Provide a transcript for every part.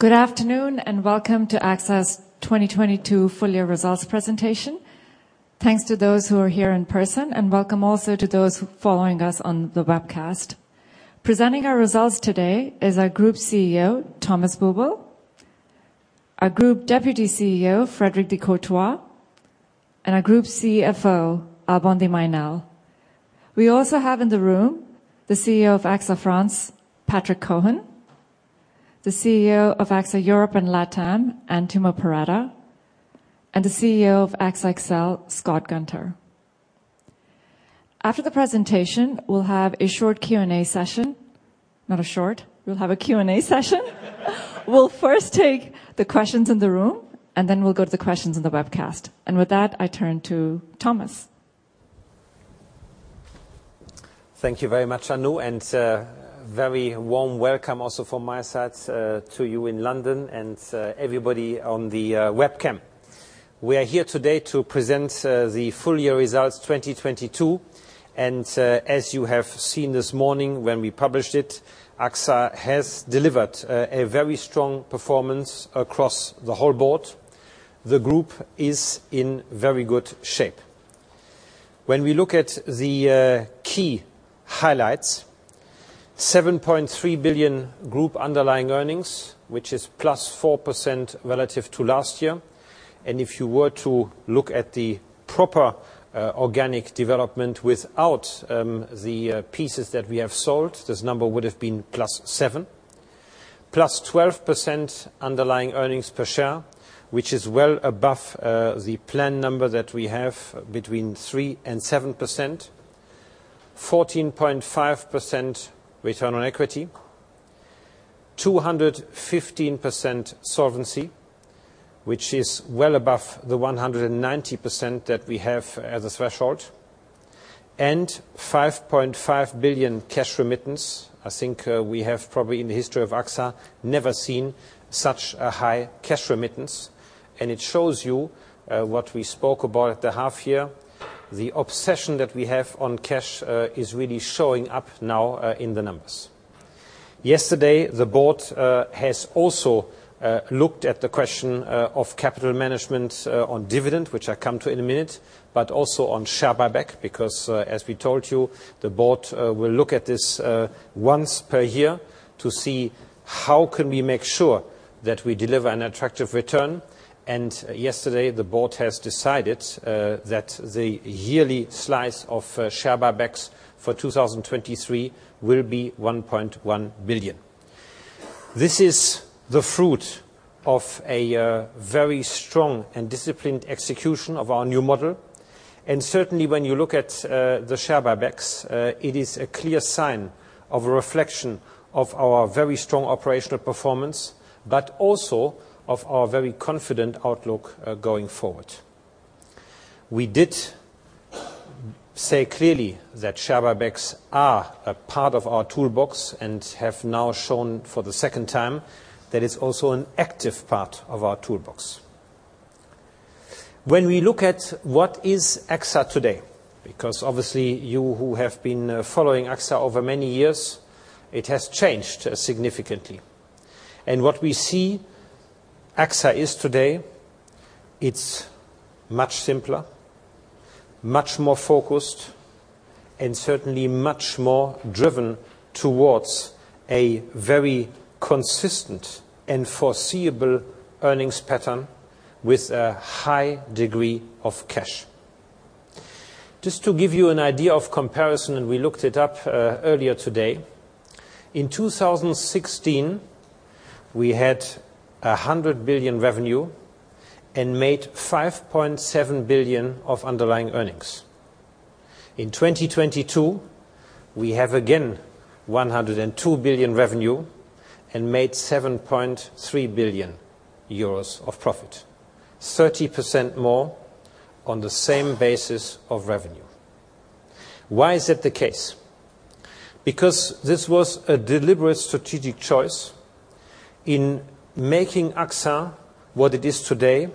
Good afternoon, welcome to AXA's 2022 full year results presentation. Thanks to those who are here in person, and welcome also to those following us on the webcast. Presenting our results today is our Group CEO, Thomas Buberl; our Group Deputy CEO, Frédéric de Courtois; and our Group CFO, Alban de Mailly Nesle. We also have in the room the CEO of AXA France, Patrick Cohen; the CEO of AXA Europe and Latam, Antimo Perretta; and the CEO of AXA XL, Scott Gunter. After the presentation, we'll have a short Q&A session. We'll have a Q&A session. We'll first take the questions in the room, and then we'll go to the questions in the webcast. With that, I turn to Thomas. Thank you very much, Anu, very warm welcome also from my side to you in London and everybody on the webcam. We are here today to present the full year results 2022, as you have seen this morning when we published it, AXA has delivered a very strong performance across the whole board. The group is in very good shape. When we look at the key highlights, 7.3 billion group underlying earnings, which is +4% relative to last year, if you were to look at the proper organic development without the pieces that we have sold, this number would have been +7%. +12% underlying earnings per share, which is well above the plan number that we have between 3% and 7%. 14.5% return on equity. 215% solvency, which is well above the 190% that we have as a threshold. 5.5 billion cash remittance. I think we have probably in the history of AXA never seen such a high cash remittance. It shows you what we spoke about at the half year. The obsession that we have on cash is really showing up now in the numbers. Yesterday, the board has also looked at the question of capital management on dividend, which I come to in a minute, but also on share buyback, because as we told you, the board will look at this once per year to see how can we make sure that we deliver an attractive return. Yesterday, the board has decided that the yearly slice of share buybacks for 2023 will be 1.1 billion. This is the fruit of a very strong and disciplined execution of our new model. Certainly when you look at the share buybacks, it is a clear sign of a reflection of our very strong operational performance, but also of our very confident outlook going forward. We did say clearly that share buybacks are a part of our toolbox and have now shown for the second time that it's also an active part of our toolbox. When we look at what is AXA today, because obviously you who have been following AXA over many years, it has changed significantly. What we see AXA is today, it's much simpler, much more focused, and certainly much more driven towards a very consistent and foreseeable earnings pattern with a high degree of cash. Just to give you an idea of comparison, we looked it up earlier today, in 2016, we had 100 billion revenue and made 5.7 billion of underlying earnings. In 2022, we have again 102 billion revenue and made 7.3 billion euros of profit, 30% more on the same basis of revenue. Why is that the case? This was a deliberate strategic choice in making AXA what it is today,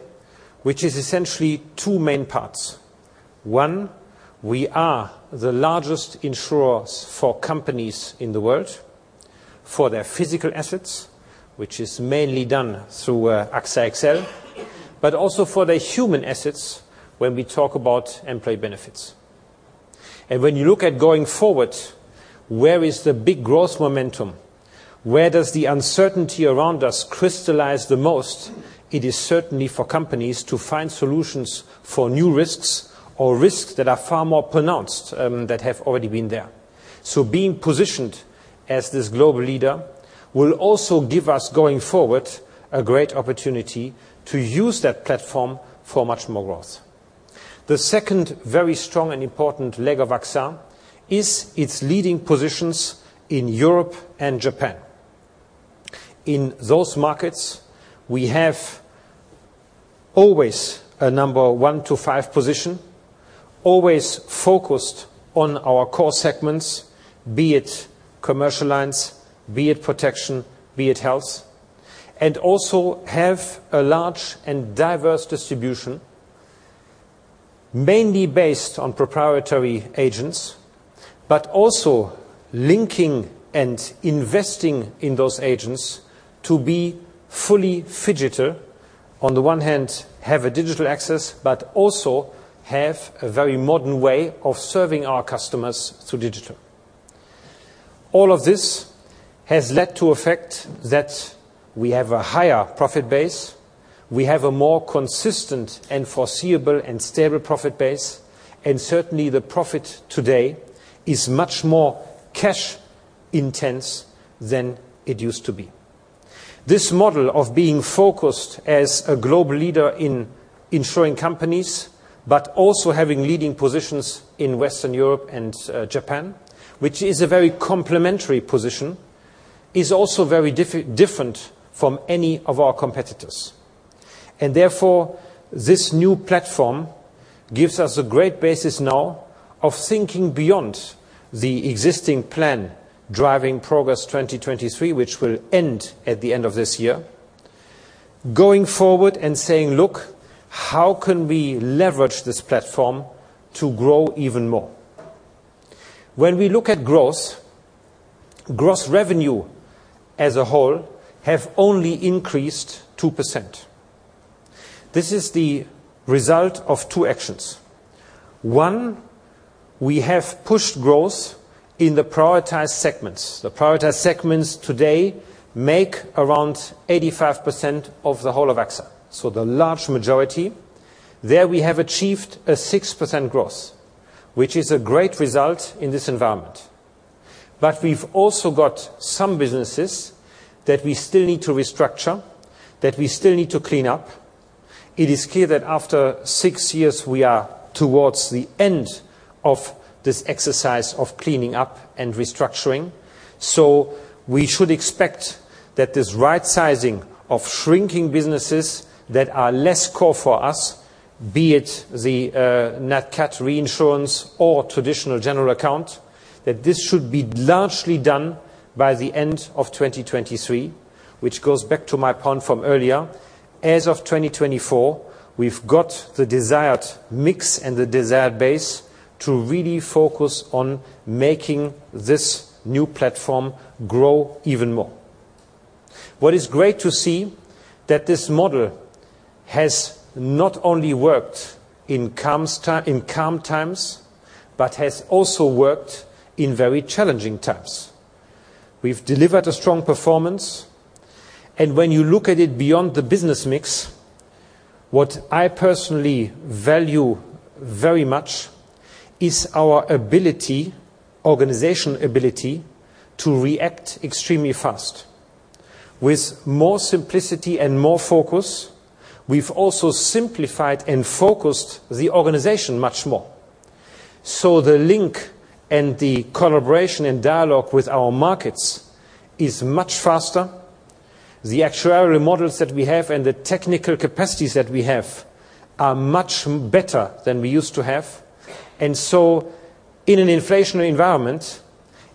which is essentially two main parts. One, we are the largest insurers for companies in the world for their physical assets, which is mainly done through AXA XL, but also for their human assets when we talk about employee benefits. When you look at going forward, where is the big growth momentum? Where does the uncertainty around us crystallize the most? It is certainly for companies to find solutions for new risks or risks that are far more pronounced that have already been there. Being positioned as this global leader will also give us, going forward, a great opportunity to use that platform for much more growth. The second very strong and important leg of AXA is its leading positions in Europe and Japan. In those markets, we have always a number one to five position, always focused on our core segments, be it commercial lines, be it protection, be it health, and also have a large and diverse distribution. Mainly based on proprietary agents, but also linking and investing in those agents to be fully phygital. On the one hand, have a digital access, but also have a very modern way of serving our customers through digital. All of this has led to effect that we have a higher profit base, we have a more consistent and foreseeable and stable profit base, and certainly, the profit today is much more cash intense than it used to be. This model of being focused as a global leader in insuring companies, but also having leading positions in Western Europe and Japan, which is a very complementary position, is also very different from any of our competitors. Therefore, this new platform gives us a great basis now of thinking beyond the existing plan, Driving Progress 2023, which will end at the end of this year. Going forward and saying, "Look, how can we leverage this platform to grow even more?" When we look at growth, gross revenue as a whole have only increased 2%. This is the result of two actions. 1, we have pushed growth in the prioritized segments. The prioritized segments today make around 85% of the whole of AXA. The large majority. There we have achieved a 6% growth, which is a great result in this environment. We've also got some businesses that we still need to restructure, that we still need to clean up. It is clear that after six years, we are towards the end of this exercise of cleaning up and restructuring. We should expect that this right sizing of shrinking businesses that are less core for us, be it the Nat Cat reinsurance or traditional general account, that this should be largely done by the end of 2023, which goes back to my point from earlier. As of 2024, we've got the desired mix and the desired base to really focus on making this new platform grow even more. What is great to see, that this model has not only worked in calm times, but has also worked in very challenging times. We've delivered a strong performance, and when you look at it beyond the business mix, what I personally value very much is our ability, organizational ability to react extremely fast. With more simplicity and more focus, we've also simplified and focused the organization much more. The link and the collaboration and dialogue with our markets is much faster. The actuarial models that we have and the technical capacities that we have are much better than we used to have. In an inflationary environment,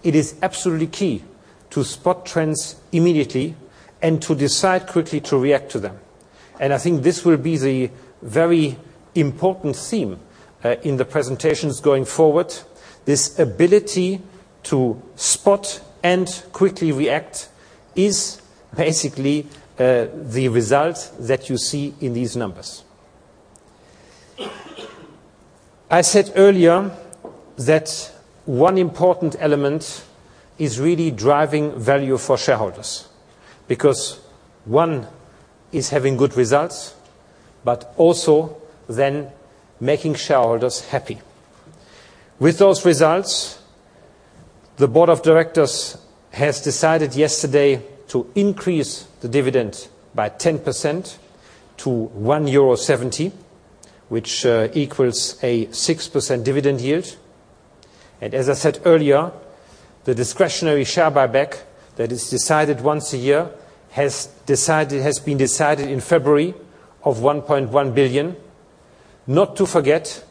it is absolutely key to spot trends immediately and to decide quickly to react to them. I think this will be the very important theme in the presentations going forward. This ability to spot and quickly react is basically the result that you see in these numbers. I said earlier that one important element is really driving value for shareholders. One is having good results, but also then making shareholders happy. With those results, the board of directors has decided yesterday to increase the dividend by 10% to 1.70 euro, which equals a 6% dividend yield. As I said earlier, the discretionary share buyback that is decided once a year, has been decided in February of 1.1 billion. Not to forget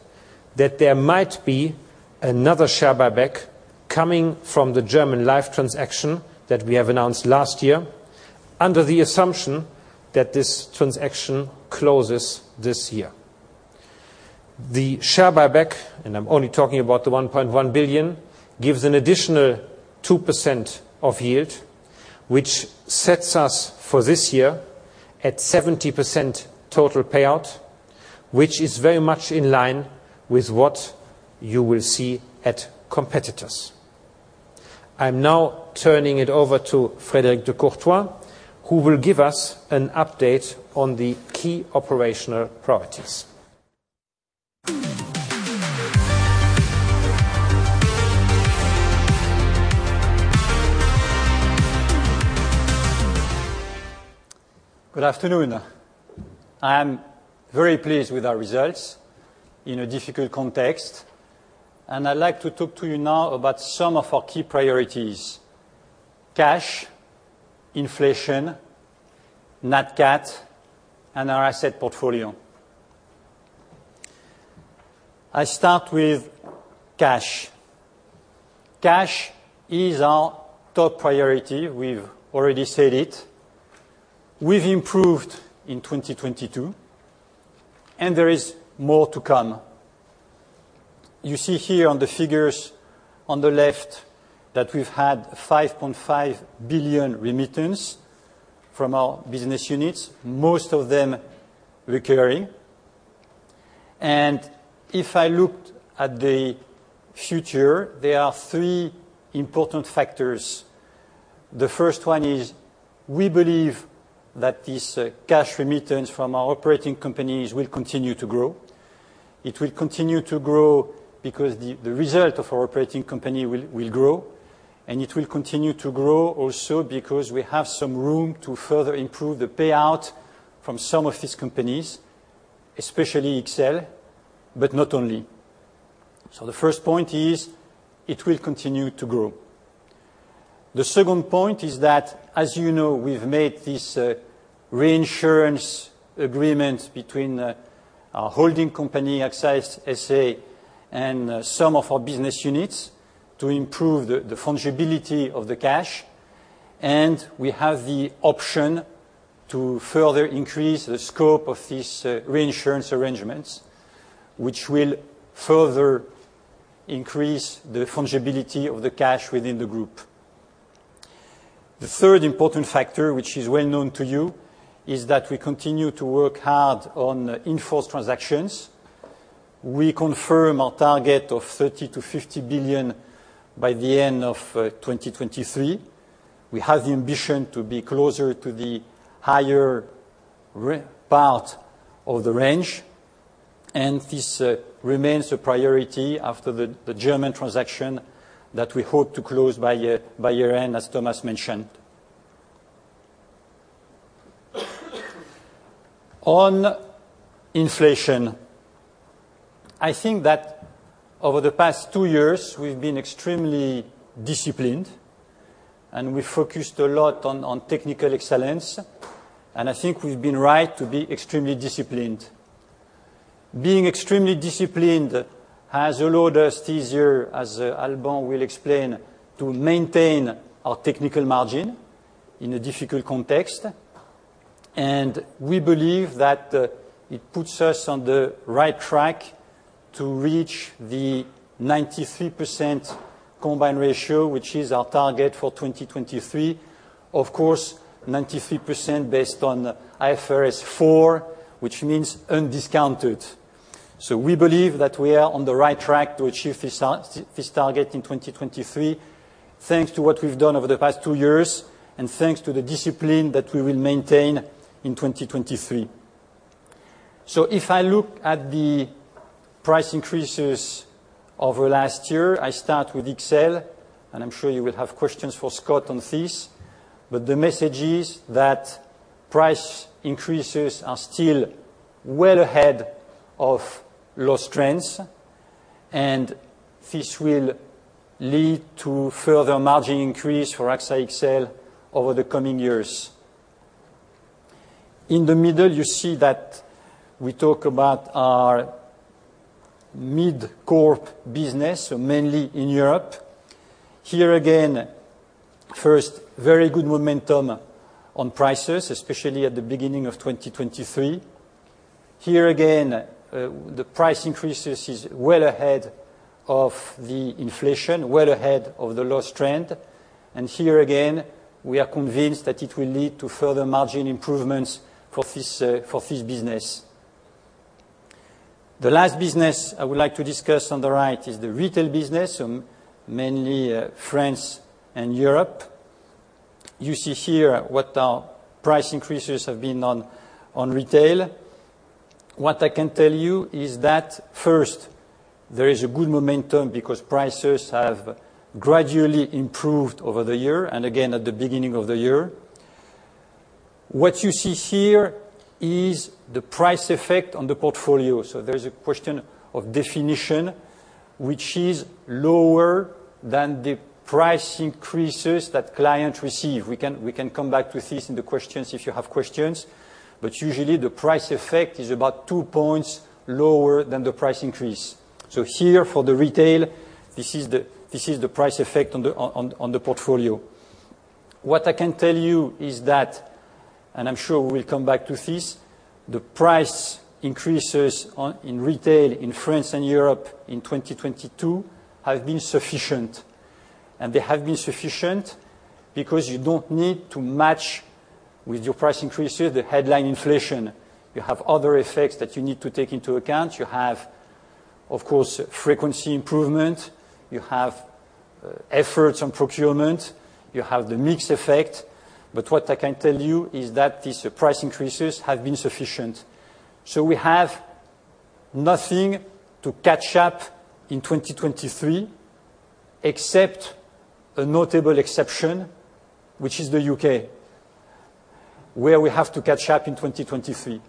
that there might be another share buyback coming from the German Life transaction that we have announced last year, under the assumption that this transaction closes this year. The share buyback, and I'm only talking about the 1.1 billion, gives an additional 2% of yield, which sets us for this year at 70% total payout, which is very much in line with what you will see at competitors. I'm now turning it over to Frédéric de Courtois, who will give us an update on the key operational priorities. Good afternoon. I am very pleased with our results in a difficult context. I'd like to talk to you now about some of our key priorities: cash, inflation, Nat Cat, and our asset portfolio. I start with cash. Cash is our top priority. We've already said it. We've improved in 2022. There is more to come. You see here on the figures on the left that we've had 5.5 billion remittance from our business units, most of them recurring. If I looked at the future, there are three important factors. The first one is, we believe that this cash remittance from our operating companies will continue to grow. It will continue to grow because the result of our operating company will grow, and it will continue to grow also because we have some room to further improve the payout from some of these companies, especially XL, but not only. The first point is, it will continue to grow. The second point is that, as you know, we've made this reinsurance agreement between our holding company, AXA SA, and some of our business units to improve the fungibility of the cash. We have the option to further increase the scope of these reinsurance arrangements, which will further increase the fungibility of the cash within the group. The third important factor, which is well known to you, is that we continue to work hard on in-force transactions. We confirm our target of 30 billion-50 billion by the end of 2023. We have the ambition to be closer to the higher part of the range. This remains a priority after the German Life transaction that we hope to close by year-end, as Thomas mentioned. On inflation, I think that over the past two years, we've been extremely disciplined. We focused a lot on technical excellence, and I think we've been right to be extremely disciplined. Being extremely disciplined has allowed us this year, as Alban will explain, to maintain our technical margin in a difficult context. We believe that it puts us on the right track to reach the 93% combined ratio, which is our target for 2023. Of course, 93% based on IFRS 4, which means undiscounted. We believe that we are on the right track to achieve this target in 2023 thanks to what we've done over the past two years and thanks to the discipline that we will maintain in 2023. If I look at the price increases over last year, I start with XL, and I'm sure you will have questions for Scott on this. The message is that price increases are still well ahead of loss trends, and this will lead to further margin increase for AXA XL over the coming years. In the middle, you see that we talk about our mid-core business, mainly in Europe. Here again, first, very good momentum on prices, especially at the beginning of 2023. Here again, the price increases is well ahead of the inflation, well ahead of the loss trend. Here again, we are convinced that it will lead to further margin improvements for this for this business. The last business I would like to discuss on the right is the retail business, mainly France and Europe. You see here what our price increases have been on retail. What I can tell you is that first, there is a good momentum because prices have gradually improved over the year and again at the beginning of the year. What you see here is the price effect on the portfolio. There is a question of definition which is lower than the price increases that clients receive. We can come back to this in the questions if you have questions, but usually the price effect is about 2 points lower than the price increase. Here for the retail, this is the price effect on the portfolio. What I can tell you is that, and I'm sure we'll come back to this, the price increases on, in retail in France and Europe in 2022 have been sufficient. They have been sufficient because you don't need to match with your price increases, the headline inflation. You have other effects that you need to take into account. You have, of course, frequency improvement. You have efforts on procurement. You have the mix effect. What I can tell you is that these price increases have been sufficient. We have nothing to catch up in 2023, except a notable exception, which is the UK, where we have to catch up in 2023.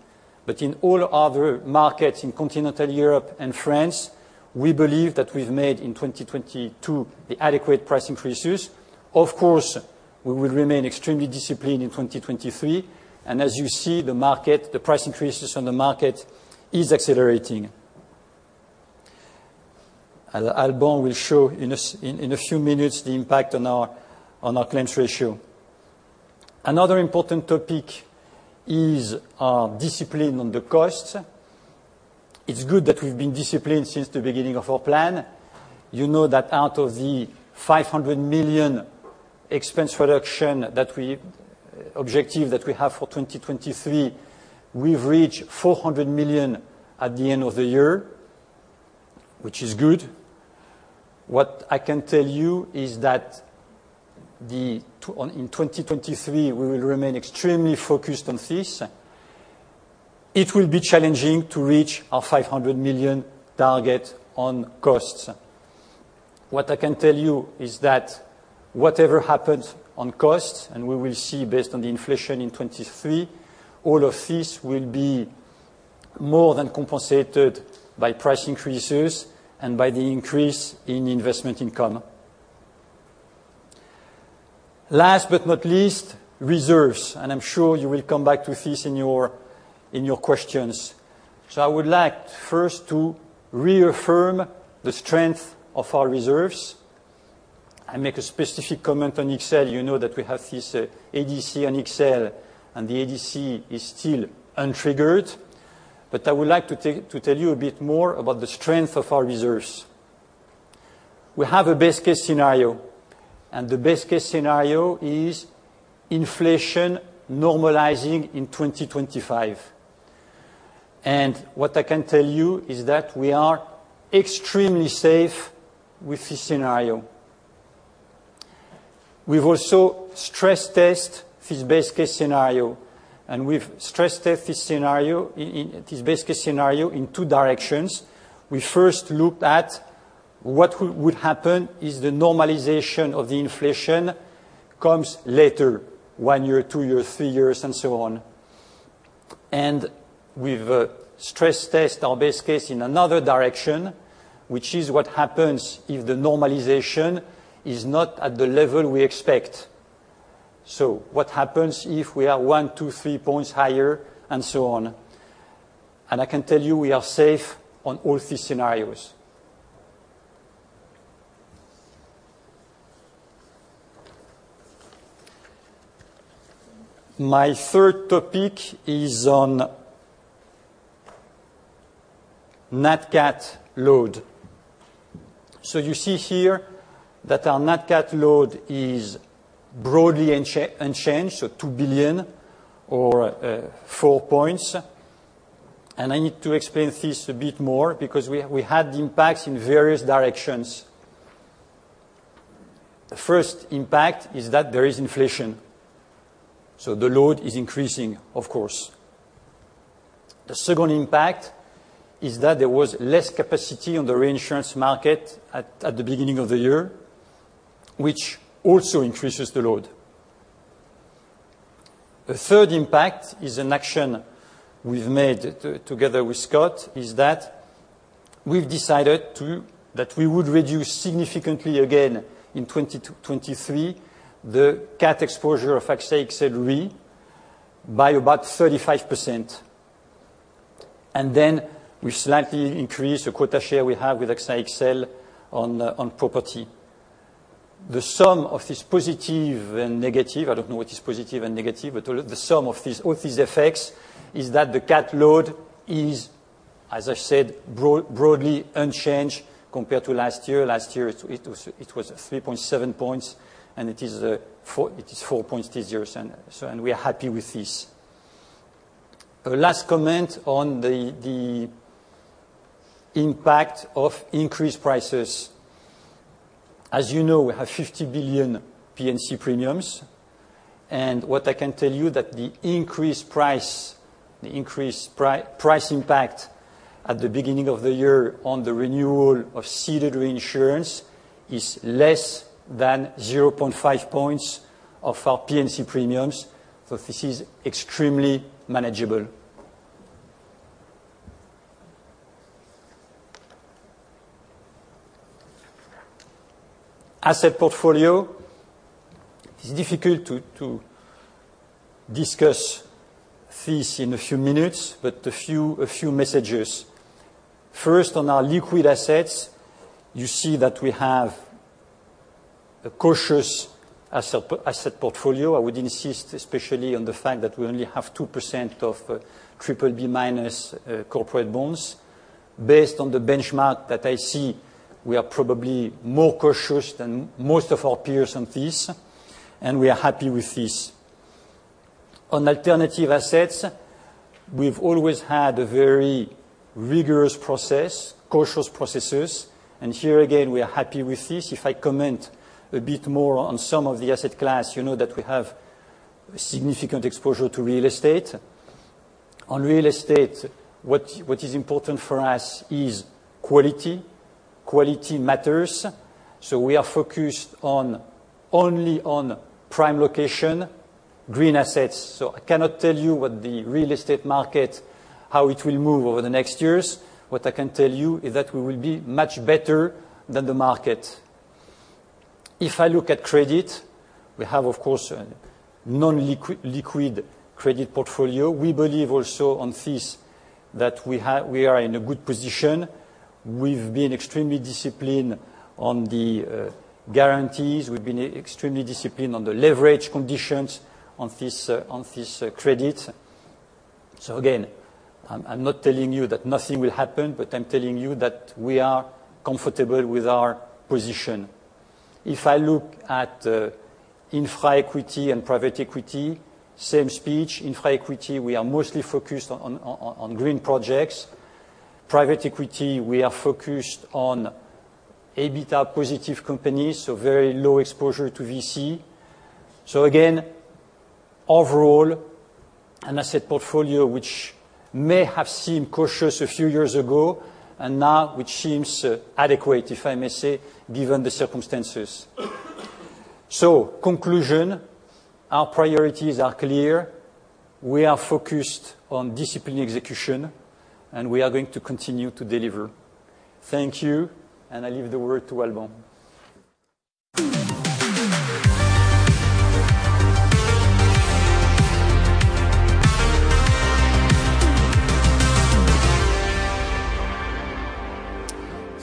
In all other markets in continental Europe and France, we believe that we've made in 2022 the adequate price increases. We will remain extremely disciplined in 2023. As you see, the market, the price increases on the market is accelerating. Alban will show in a few minutes the impact on our claims ratio. Another important topic is our discipline on the costs. It's good that we've been disciplined since the beginning of our plan. You know that out of the 500 million expense reduction that we objective that we have for 2023, we've reached 400 million at the end of the year, which is good. What I can tell you is that in 2023, we will remain extremely focused on this. It will be challenging to reach our 500 million target on costs. What I can tell you is that whatever happens on costs, we will see based on the inflation in 2023, all of this will be more than compensated by price increases and by the increase in investment income. Last but not least, reserves, I'm sure you will come back to this in your questions. I would like first to reaffirm the strength of our reserves. I make a specific comment on XL. You know that we have this ADC on XL, the ADC is still untriggered. I would like to tell you a bit more about the strength of our reserves. We have a best-case scenario, the best-case scenario is inflation normalizing in 2025. What I can tell you is that we are extremely safe with this scenario. We've also stress test this best-case scenario, and we've stress tested this best-case scenario in two directions. We first looked at what would happen if the normalization of the inflation comes later, one year, two years, three years and so on. We've stress test our best case in another direction, which is what happens if the normalization is not at the level we expect. What happens if we are one, two, three points higher and so on? I can tell you we are safe on all these scenarios. My third topic is on net CAT load. You see here that our net CAT load is broadly unchanged, 2 billion or four points. I need to explain this a bit more because we had impacts in various directions. The first impact is that there is inflation, so the load is increasing, of course. The second impact is that there was less capacity on the reinsurance market at the beginning of the year, which also increases the load. The third impact is an action we've made together with Scott, is that we've decided that we would reduce significantly again in 2023 the CAT exposure of AXA XL Re by about 35%. Then we slightly increase the quota share we have with AXA XL on property. The sum of this positive and negative, I don't know which is positive and negative, but the sum of these, all these effects is that the CAT load is, as I said, broadly unchanged compared to last year. Last year, it was 3.7 points, and it is 4 points this year. We are happy with this. A last comment on the impact of increased prices. As you know, we have 50 billion P&C premiums, and what I can tell you that the increased price impact at the beginning of the year on the renewal of ceded reinsurance is less than 0.5 points of our P&C premiums. This is extremely manageable. Asset portfolio. It's difficult to discuss this in a few minutes, but a few messages. First, on our liquid assets, you see that we have a cautious asset portfolio. I would insist especially on the fact that we only have 2% of BBB- corporate bonds. Based on the benchmark that I see, we are probably more cautious than most of our peers on this, and we are happy with this. On alternative assets, we've always had a very rigorous process, cautious processes. Here again, we are happy with this. If I comment a bit more on some of the asset class, you know that we have significant exposure to real estate. On real estate, what is important for us is quality. Quality matters. We are focused on only on prime location green assets. I cannot tell you what the real estate market, how it will move over the next years. What I can tell you is that we will be much better than the market. If I look at credit, we have of course, a non-liquid credit portfolio. We believe also on fees that we are in a good position. We've been extremely disciplined on the guarantees. We've been extremely disciplined on the leverage conditions on this credit. Again, I'm not telling you that nothing will happen, but I'm telling you that we are comfortable with our position. If I look at Infra Equity and private equity, same speech. Infra Equity, we are mostly focused on green projects. Private equity, we are focused on EBITDA positive companies, so very low exposure to VC. Again, overall, an asset portfolio which may have seemed cautious a few years ago, and now which seems adequate, if I may say, given the circumstances. Conclusion, our priorities are clear. We are focused on disciplined execution, and we are going to continue to deliver. Thank you, and I leave the word to Alban.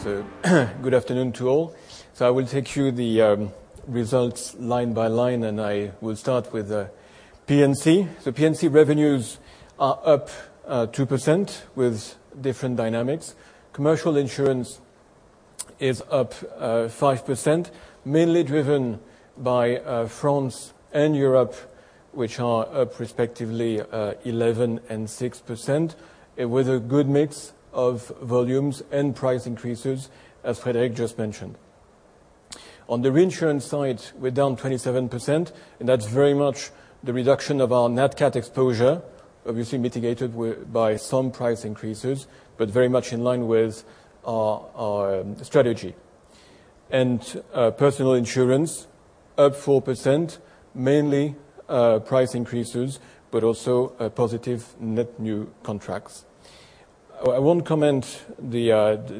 Good afternoon to all. I will take you the results line by line. I will start with P&C. The P&C revenues are up 2% with different dynamics. Commercial insurance is up 5%, mainly driven by France and Europe, which are up respectively 11% and 6%, with a good mix of volumes and price increases, as Frédéric just mentioned. On the reinsurance side, we're down 27%, that's very much the reduction of our net cat exposure, obviously mitigated by some price increases, but very much in line with our strategy. Personal insurance up 4%, mainly price increases, but also positive net new contracts. I won't comment the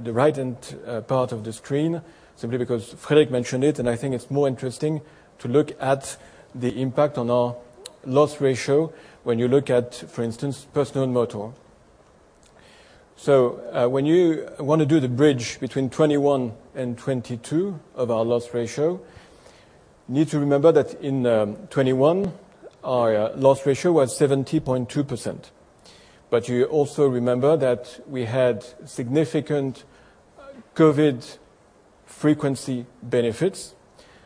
right-hand part of the screen simply because Frederick mentioned it. I think it's more interesting to look at the impact on our loss ratio when you look at, for instance, personal and motor. When you want to do the bridge between 21 and 22 of our loss ratio, you need to remember that in 21, our loss ratio was 70.2%. You also remember that we had significant COVID frequency benefits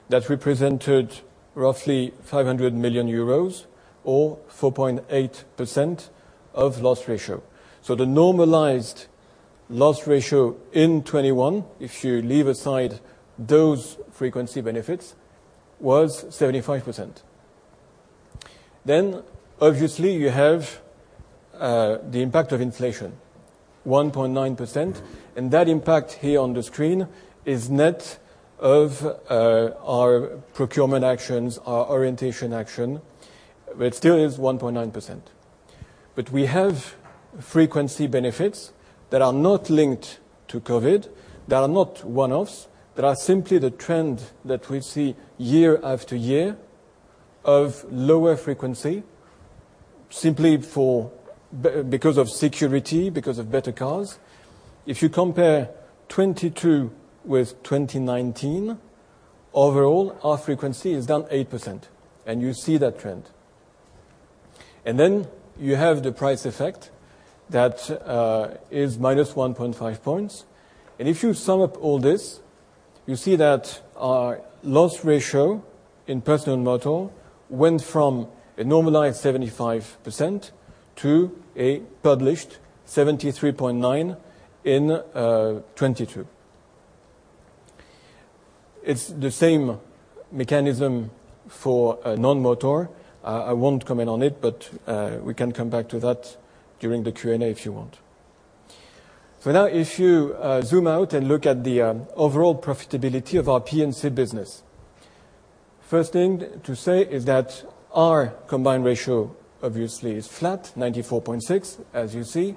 that represented roughly 500 million euros or 4.8% of loss ratio. The normalized loss ratio in 21, if you leave aside those frequency benefits, was 75%. Obviously you have the impact of inflation, 1.9%, and that impact here on the screen is net of our procurement actions, our orientation action, it still is 1.9%. We have frequency benefits that are not linked to COVID, that are not one-offs, that are simply the trend that we see year after year of lower frequency simply because of security, because of better cars. If you compare 2022 with 2019, overall, our frequency is down 8%, you see that trend. You have the price effect that is -1.5 points, and if you sum up all this, you see that our loss ratio in personal and motor went from a normalized 75% to a published 73.9% in 2022. It's the same mechanism for non-motor. I won't comment on it. We can come back to that during the Q&A if you want. Now if you zoom out and look at the overall profitability of our P&C business, first thing to say is that our combined ratio obviously is flat, 94.6, as you see.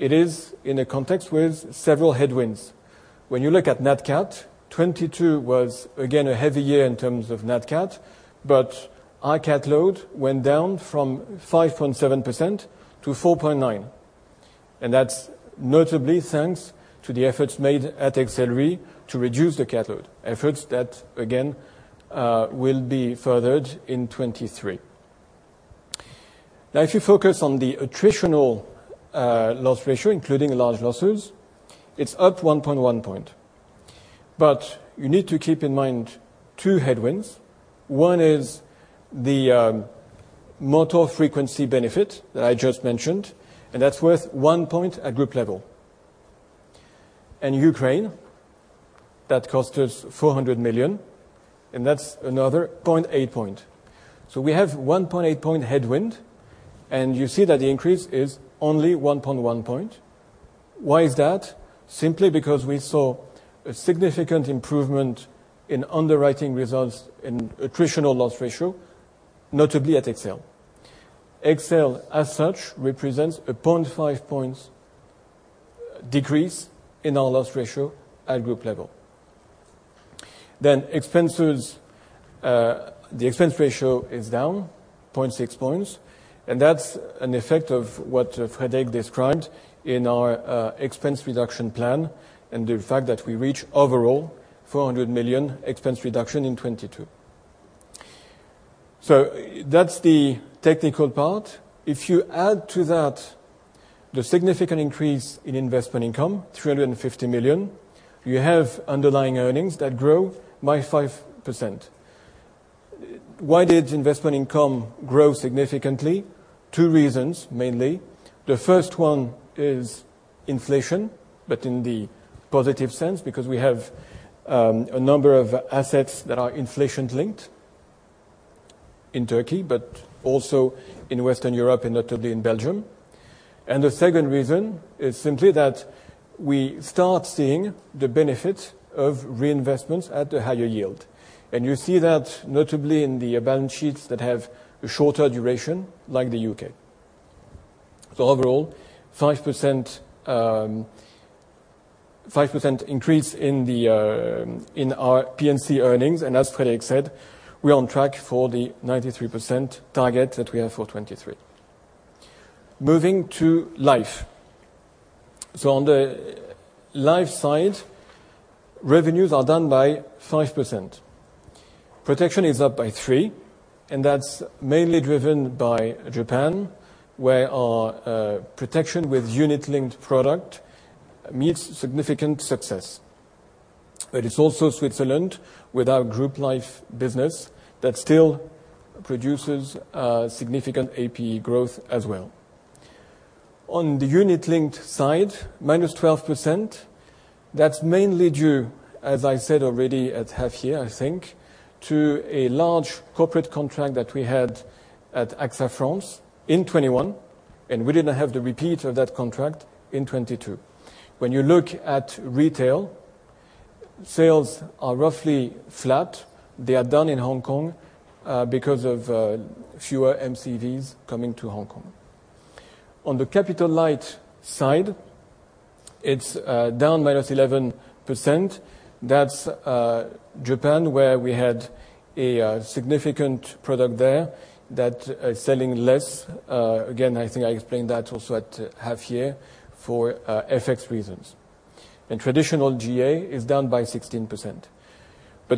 It is in a context with several headwinds. When you look at Nat Cat, 2022 was again a heavy year in terms of Nat Cat. Our cat load went down from 5.7% to 4.9%, and that's notably thanks to the efforts made at XL Re to reduce the cat load. Efforts that, again, will be furthered in 2023. Now if you focus on the attritional loss ratio, including large losses, it's up 1.1 point. You need to keep in mind two headwinds. One is the motor frequency benefit that I just mentioned, and that's worth 1 point at group level. In Ukraine, that cost us 400 million, and that's another 0.8 point. We have 1.8 point headwind, and you see that the increase is only 1.1 point. Why is that? Simply because we saw a significant improvement in underwriting results in attritional loss ratio, notably at XL. XL, as such, represents a 0.5 points decrease in our loss ratio at group level. Expenses, the expense ratio is down 0.6 points, and that's an effect of what Frédéric described in our expense reduction plan and the fact that we reach overall 400 million expense reduction in 2022. That's the technical part. If you add to that the significant increase in investment income, 350 million, you have underlying earnings that grow by 5%. Why did investment income grow significantly? Two reasons, mainly. The first one is inflation, but in the positive sense, because we have a number of assets that are inflation-linked in Turkey, but also in Western Europe, and notably in Belgium. The second reason is simply that we start seeing the benefit of reinvestments at a higher yield. You see that notably in the balance sheets that have a shorter duration, like the UK. Overall, 5% increase in our P&C earnings, and as Frédéric said, we're on track for the 93% target that we have for 2023. Moving to life. On the life side, revenues are down by 5%. Protection is up by 3%. That's mainly driven by Japan, where our protection with unit-linked product meets significant success. It's also Switzerland, with our group life business, that still produces significant APE growth as well. On the unit-linked side, minus 12%. That's mainly due, as I said already at half year, I think, to a large corporate contract that we had at AXA France in 2021. We didn't have the repeat of that contract in 2022. When you look at retail, sales are roughly flat. They are down in Hong Kong because of fewer MCVs coming to Hong Kong. On the capital-light side, it's down minus 11%. That's Japan, where we had a significant product there that is selling less. Again, I think I explained that also at half year for FX reasons. Traditional GA is down by 16%.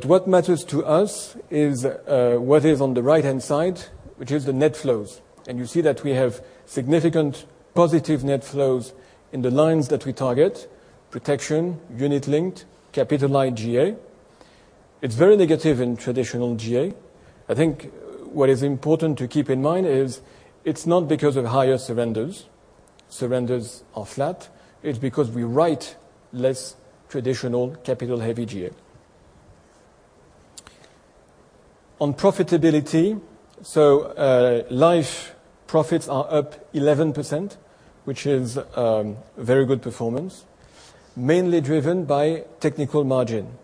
What matters to us is what is on the right-hand side, which is the net flows. You see that we have significant positive net flows in the lines that we target: protection, unit-linked, capital-light GA. It's very negative in Traditional GA. I think what is important to keep in mind is it's not because of higher surrenders. Surrenders are flat. It's because we write less traditional capital-heavy GA. On profitability. Life profits are up 11%, which is a very good performance, mainly driven by technical margin.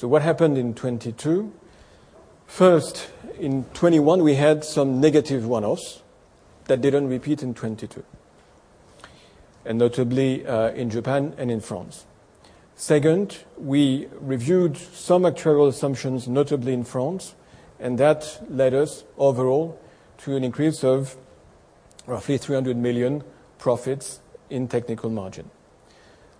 What happened in 2022? First, in 2021, we had some negative one-offs that didn't repeat in 2022, and notably, in Japan and in France. Second, we reviewed some actuarial assumptions, notably in France, that led us overall to an increase of roughly 300 million profits in technical margin.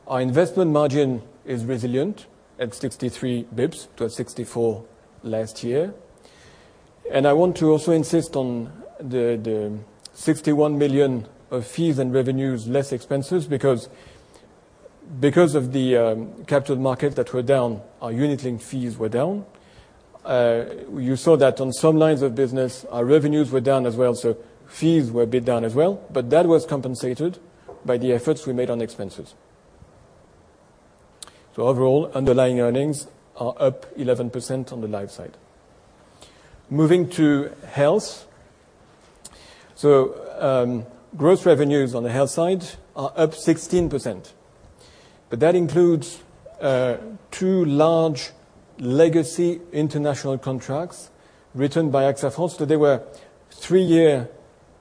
Our investment margin is resilient at 63 basis points to 64 basis points last year. I want to also insist on the 61 million of fees and revenues, less expenses, because of the capital market that were down, our unit-linked fees were down. You saw that on some lines of business, our revenues were down as well, fees were a bit down as well. That was compensated by the efforts we made on expenses. Overall, underlying earnings are up 11% on the life side. Moving to health. Gross revenues on the health side are up 16%. That includes two large legacy international contracts written by AXA France. They were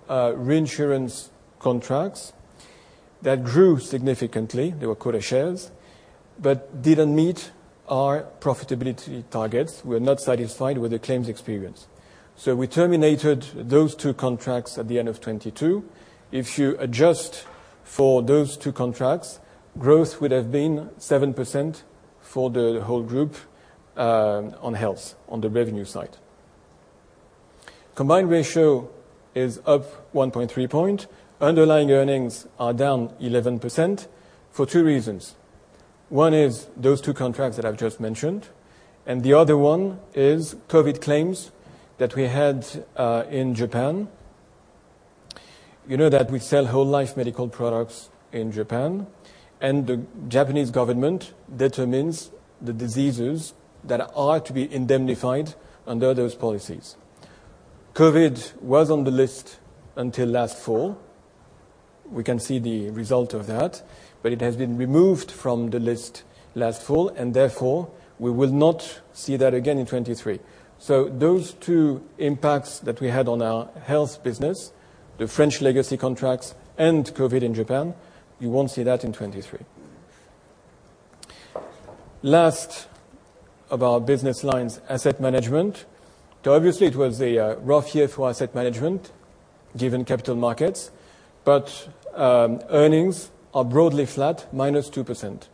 three-year reinsurance contracts that grew significantly. They were quota shares, but didn't meet our profitability targets. We're not satisfied with the claims experience. We terminated those two contracts at the end of 2022. If you adjust for those two contracts, growth would have been 7% for the whole group on health on the revenue side. Combined ratio is up 1.3 point. Underlying earnings are down 11% for two reasons. One is those two contracts that I've just mentioned, and the other one is COVID claims that we had in Japan. You know that we sell whole-life medical products in Japan, and the Japanese government determines the diseases that are to be indemnified under those policies. COVID was on the list until last fall. We can see the result of that. It has been removed from the list last fall. Therefore, we will not see that again in 2023. Those two impacts that we had on our health business, the French legacy contracts and COVID in Japan, you won't see that in 2023. Last of our business lines, asset management. Obviously it was a rough year for asset management given capital markets, but earnings are broadly flat, minus 2%.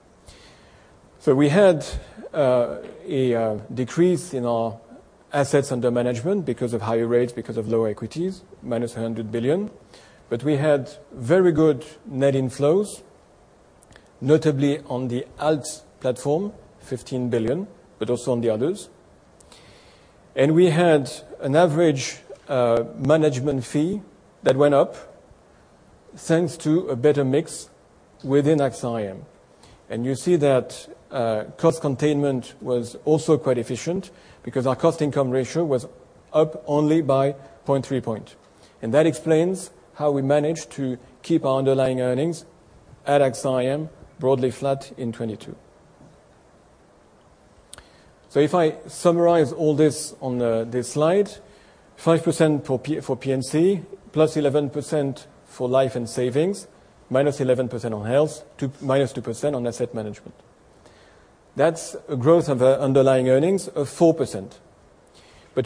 We had a decrease in our assets under management because of higher rates, because of lower equities, minus 100 billion, but we had very good net inflows, notably on the Alts platform, 15 billion, but also on the others. We had an average management fee that went up thanks to a better mix within AXA IM. You see that cost containment was also quite efficient because our cost income ratio was up only by 0.3 point. That explains how we managed to keep our underlying earnings at AXA IM broadly flat in 2022. If I summarize all this on this slide, 5% for P&C, plus 11% for life and savings, minus 11% on health, minus 2% on asset management. That's a growth of underlying earnings of 4%.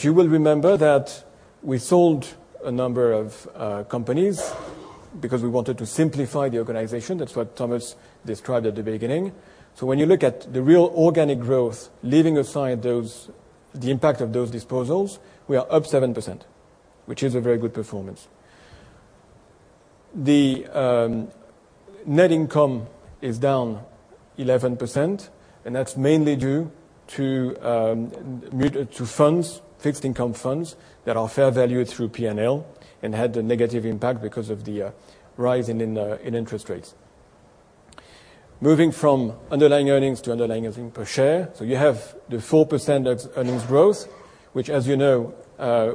You will remember that we sold a number of companies because we wanted to simplify the organization. That's what Thomas described at the beginning. When you look at the real organic growth, leaving aside the impact of those disposals, we are up 7%, which is a very good performance. The net income is down 11%, that's mainly due to funds, fixed income funds that are fair valued through P&L and had a negative impact because of the rising in interest rates. Moving from underlying earnings to underlying earnings per share. You have the 4% of earnings growth, which as you know,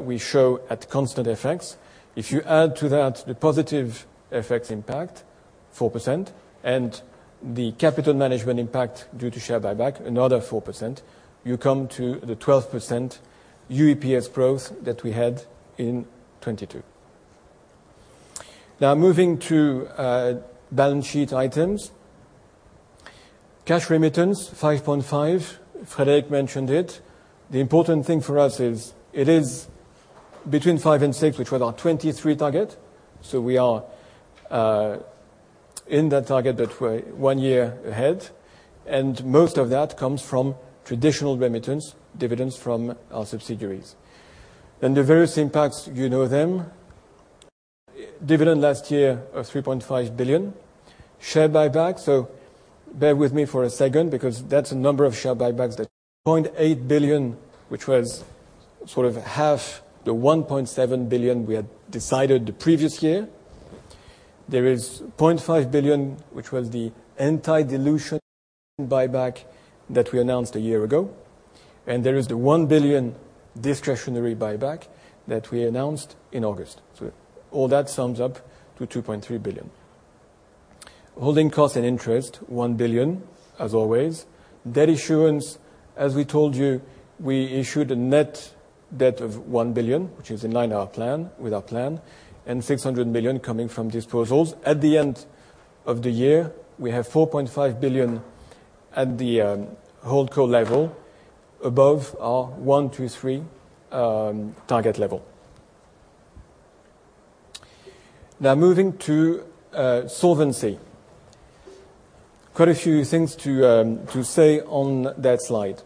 we show at constant FX. If you add to that the positive FX impact, 4%, and the capital management impact due to share buyback, another 4%, you come to the 12% UEPS growth that we had in 2022. Moving to balance sheet items. Cash remittance, 5.5. Frédéric mentioned it. The important thing for us is it is between five and six, which was our 2023 target. We are in that target, but we're one year ahead, and most of that comes from traditional remittance, dividends from our subsidiaries. The various impacts, you know them. Dividend last year of 3.5 billion. Share buyback. Bear with me for a second because that's a number of share buybacks that 0.8 billion, which was sort of half the 1.7 billion we had decided the previous year. There is 0.5 billion, which was the anti-dilution buyback that we announced a year ago. There is the 1 billion discretionary buyback that we announced in August. All that sums up to 2.3 billion. Holding costs and interest, 1 billion, as always. Debt issuance, as we told you, we issued a net debt of 1 billion, which is in line with our plan, and 600 billion coming from disposals. At the end of the year, we have 4.5 billion at the Holdco level, above our one, two, three target level. Moving to solvency. Quite a few things to say on that slide.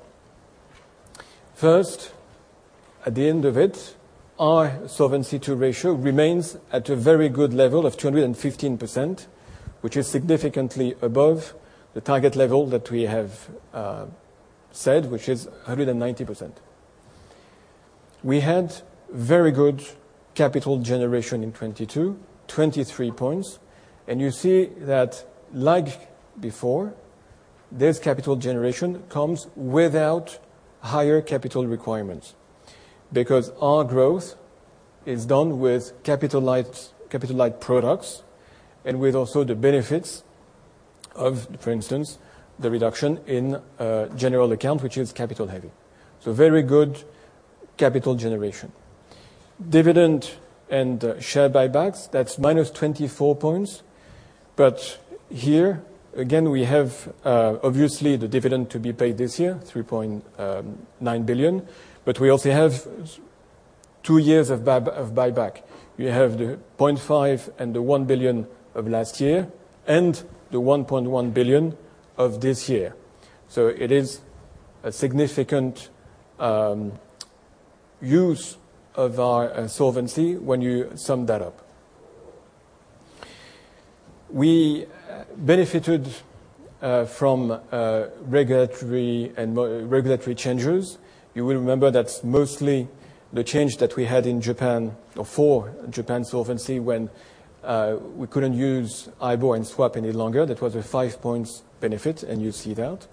First, at the end of it, our Solvency II ratio remains at a very good level of 215%, which is significantly above the target level that we have said, which is 190%. We had very good capital generation in 22, 23 points. You see that like before, this capital generation comes without higher capital requirements because our growth is done with capital-light products and with also the benefits of, for instance, the reduction in general account, which is capital heavy. Very good capital generation. Dividend, share buybacks, that's -24 points. Here again, we have obviously the dividend to be paid this year, 3.9 billion. We also have two years of buyback. We have the 0.5 billion and the 1 billion of last year and the 1.1 billion of this year. It is a significant use of our solvency when you sum that up. We benefited from regulatory changes. You will remember that's mostly the change that we had in Japan or for Japan solvency when we couldn't use IBOR and swap any longer. That was a 5 points benefit, and you see that.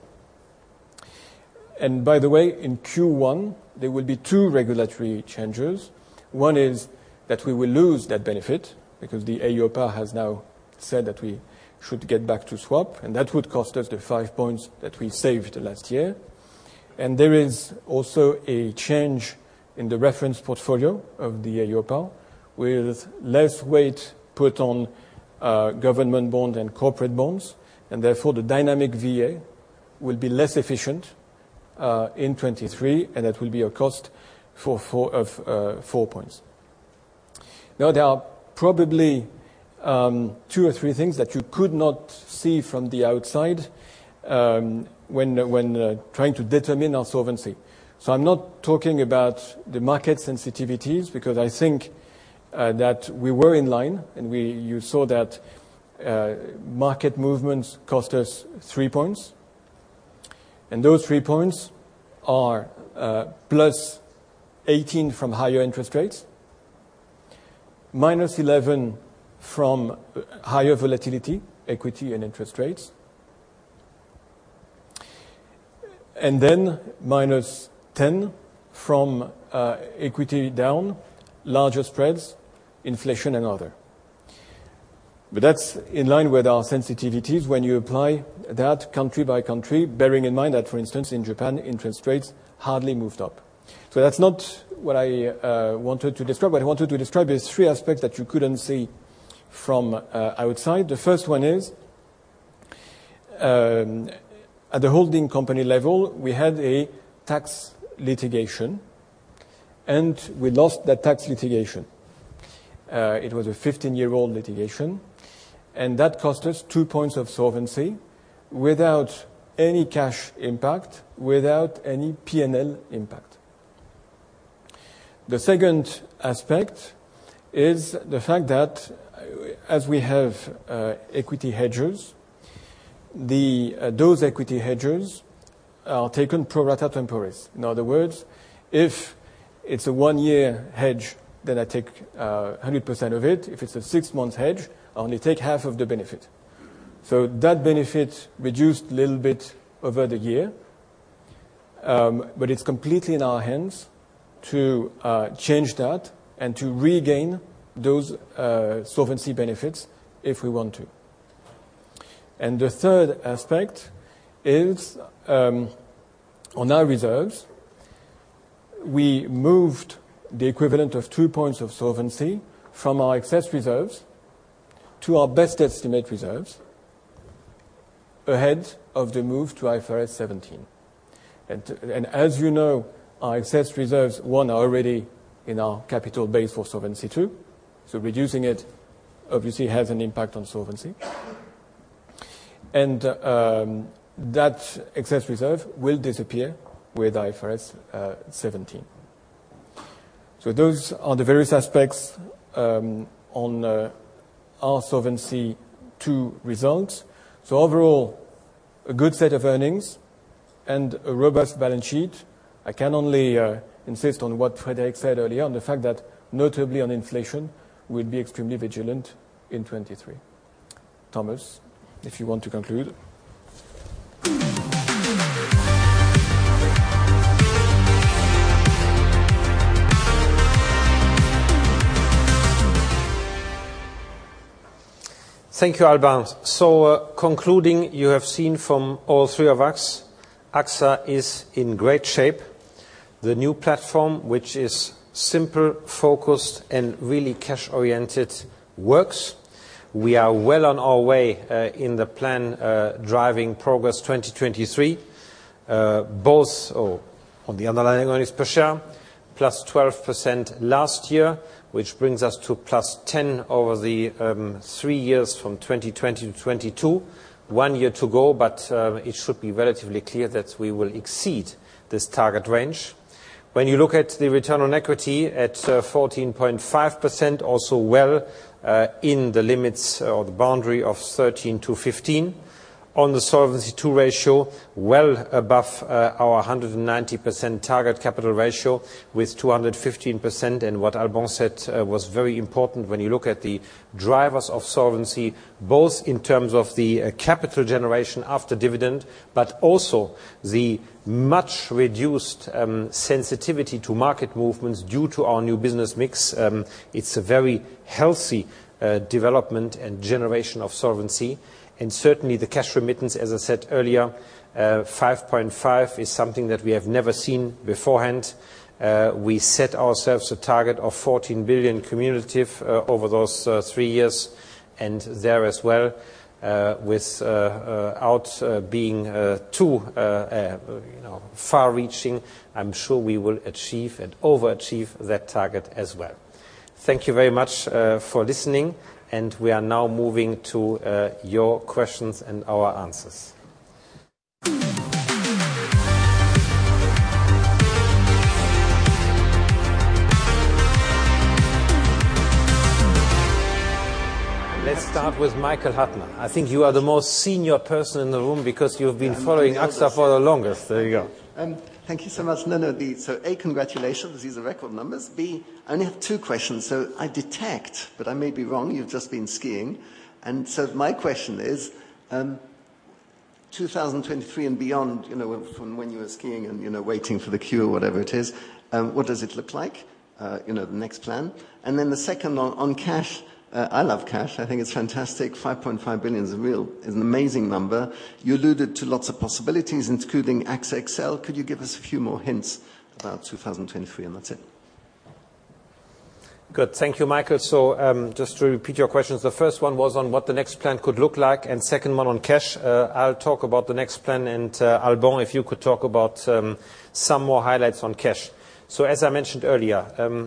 By the way, in Q1, there will be two regulatory changes. One is that we will lose that benefit because the EIOPA has now said that we should get back to swap, and that would cost us the 5 points that we saved last year. There is also a change in the reference portfolio of the EIOPA, with less weight put on government bonds and corporate bonds, and therefore, the dynamic VA will be less efficient in 2023, and that will be a cost of 4 points. There are probably two or three things that you could not see from the outside when trying to determine our solvency. I'm not talking about the market sensitivities because I think that we were in line and you saw that market movements cost us 3 points. Those 3 points are +18 from higher interest rates, -11 from higher volatility, equity and interest rates. Minus 10 from equity down, larger spreads, inflation and other. That's in line with our sensitivities when you apply that country by country, bearing in mind that, for instance, in Japan, interest rates hardly moved up. That's not what I wanted to describe. What I wanted to describe is three aspects that you couldn't see from outside. The first one is at the holding company level, we had a tax litigation. We lost that tax litigation. It was a 15-year-old litigation. That cost us 2 points of solvency without any cash impact, without any PNL impact. The second aspect is the fact that as we have equity hedgers, those equity hedgers are taken pro rata temporis. In other words, if it's a one-year hedge, then I take 100% of it. If it's a six-month hedge, I only take half of the benefit. That benefit reduced a little bit over the year. It's completely in our hands to change that and to regain those solvency benefits if we want to. The third aspect is on our reserves, we moved the equivalent of 2 points of solvency from our excess reserves to our best estimate reserves ahead of the move to IFRS 17. As you know, our excess reserves are already in our capital base for Solvency II, so reducing it obviously has an impact on solvency. That excess reserve will disappear with IFRS 17. Those are the various aspects on our Solvency II results. Overall, a good set of earnings and a robust balance sheet. I can only insist on what Frédéric said earlier, on the fact that notably on inflation, we'll be extremely vigilant in 2023. Thomas, if you want to conclude. Thank you, Alban. Concluding, you have seen from all three of us, AXA is in great shape. The new platform, which is simple, focused, and really cash-oriented, works. We are well on our way in the plan, Driving Progress 2023. Both, or on the underlying earnings per share, +12% last year, which brings us to +10% over the three years from 2020 to 2022. One year to go, it should be relatively clear that we will exceed this target range. When you look at the return on equity at 14.5%, also well in the limits or the boundary of 13%-15%. On the Solvency II ratio, well above our 190% target capital ratio with 215%. What Alban said, was very important when you look at the drivers of solvency, both in terms of the capital generation after dividend, but also the much reduced sensitivity to market movements due to our new business mix. It's a very healthy development and generation of solvency. Certainly the cash remittance, as I said earlier, 5.5 is something that we have never seen beforehand. We set ourselves a target of 14 billion cumulative over those three years. There as well, without being too, you know, far reaching, I'm sure we will achieve and overachieve that target as well. Thank you very much for listening. We are now moving to your questions and our answers. Let's start with Michael Huttner. I think you are the most senior person in the room because you've been following AXA for the longest. There you go. Thank you so much. A, congratulations. These are record numbers. B, I only have two questions. I detect, but I may be wrong, you've just been skiing. My question is. 2023 and beyond, you know, from when you were skiing and, you know, waiting for the queue or whatever it is, what does it look like? You know, the next plan. Then the second one on cash. I love cash. I think it's fantastic. 5.5 billion is a real, is an amazing number. You alluded to lots of possibilities, including AXA XL. Could you give us a few more hints about 2023? That's it. Good. Thank you, Michael. Just to repeat your questions. The first one was on what the next plan could look like, and second one on cash. I'll talk about the next plan and Alban, if you could talk about some more highlights on cash. As I mentioned earlier,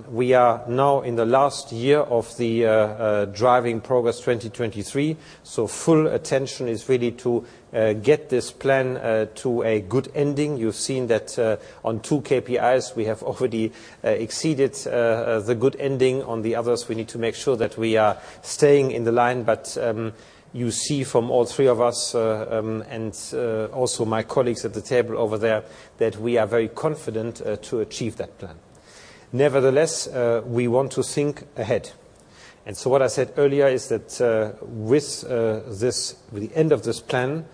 we are now in the last year of the Driving Progress 2023, so full attention is really to get this plan to a good ending. You've seen that on two KPIs we have already exceeded the good ending. On the others, we need to make sure that we are staying in the line. You see from all three of us and also my colleagues at the table over there, that we are very confident to achieve that plan. Nevertheless, we want to think ahead. What I said earlier is that with this, with the end of this plan,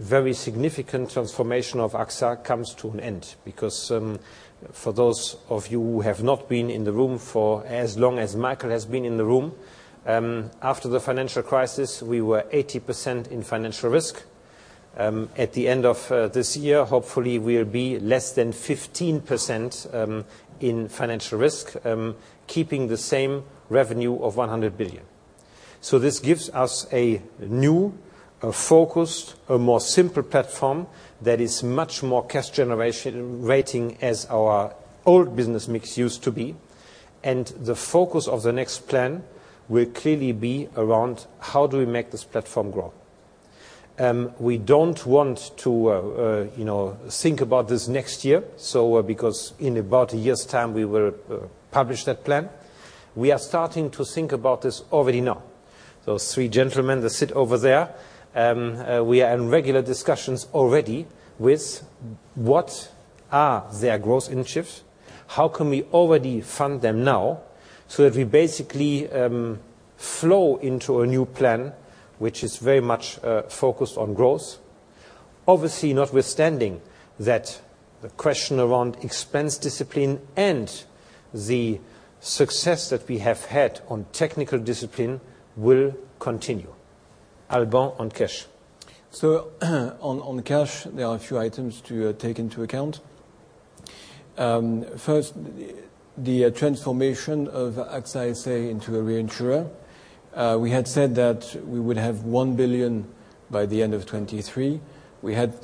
very significant transformation of AXA comes to an end because for those of you who have not been in the room for as long as Michael has been in the room, after the financial crisis, we were 80% in financial risk. At the end of this year, hopefully we'll be less than 15% in financial risk, keeping the same revenue of 100 billion. This gives us a new, a focused, a more simpler platform that is much more cash generation-rating as our old business mix used to be. The focus of the next plan will clearly be around how do we make this platform grow. We don't want to, you know, think about this next year, so because in about a year's time we will publish that plan. We are starting to think about this already now. Those three gentlemen that sit over there, we are in regular discussions already with what are their growth initiatives, how can we already fund them now, so that we basically flow into a new plan, which is very much focused on growth. Obviously, notwithstanding that the question around expense discipline and the success that we have had on technical discipline will continue. Alban, on cash. On cash, there are a few items to take into account. First, the transformation of AXA SA into a reinsurer. We had said that we would have 1 billion by the end of 2023. We had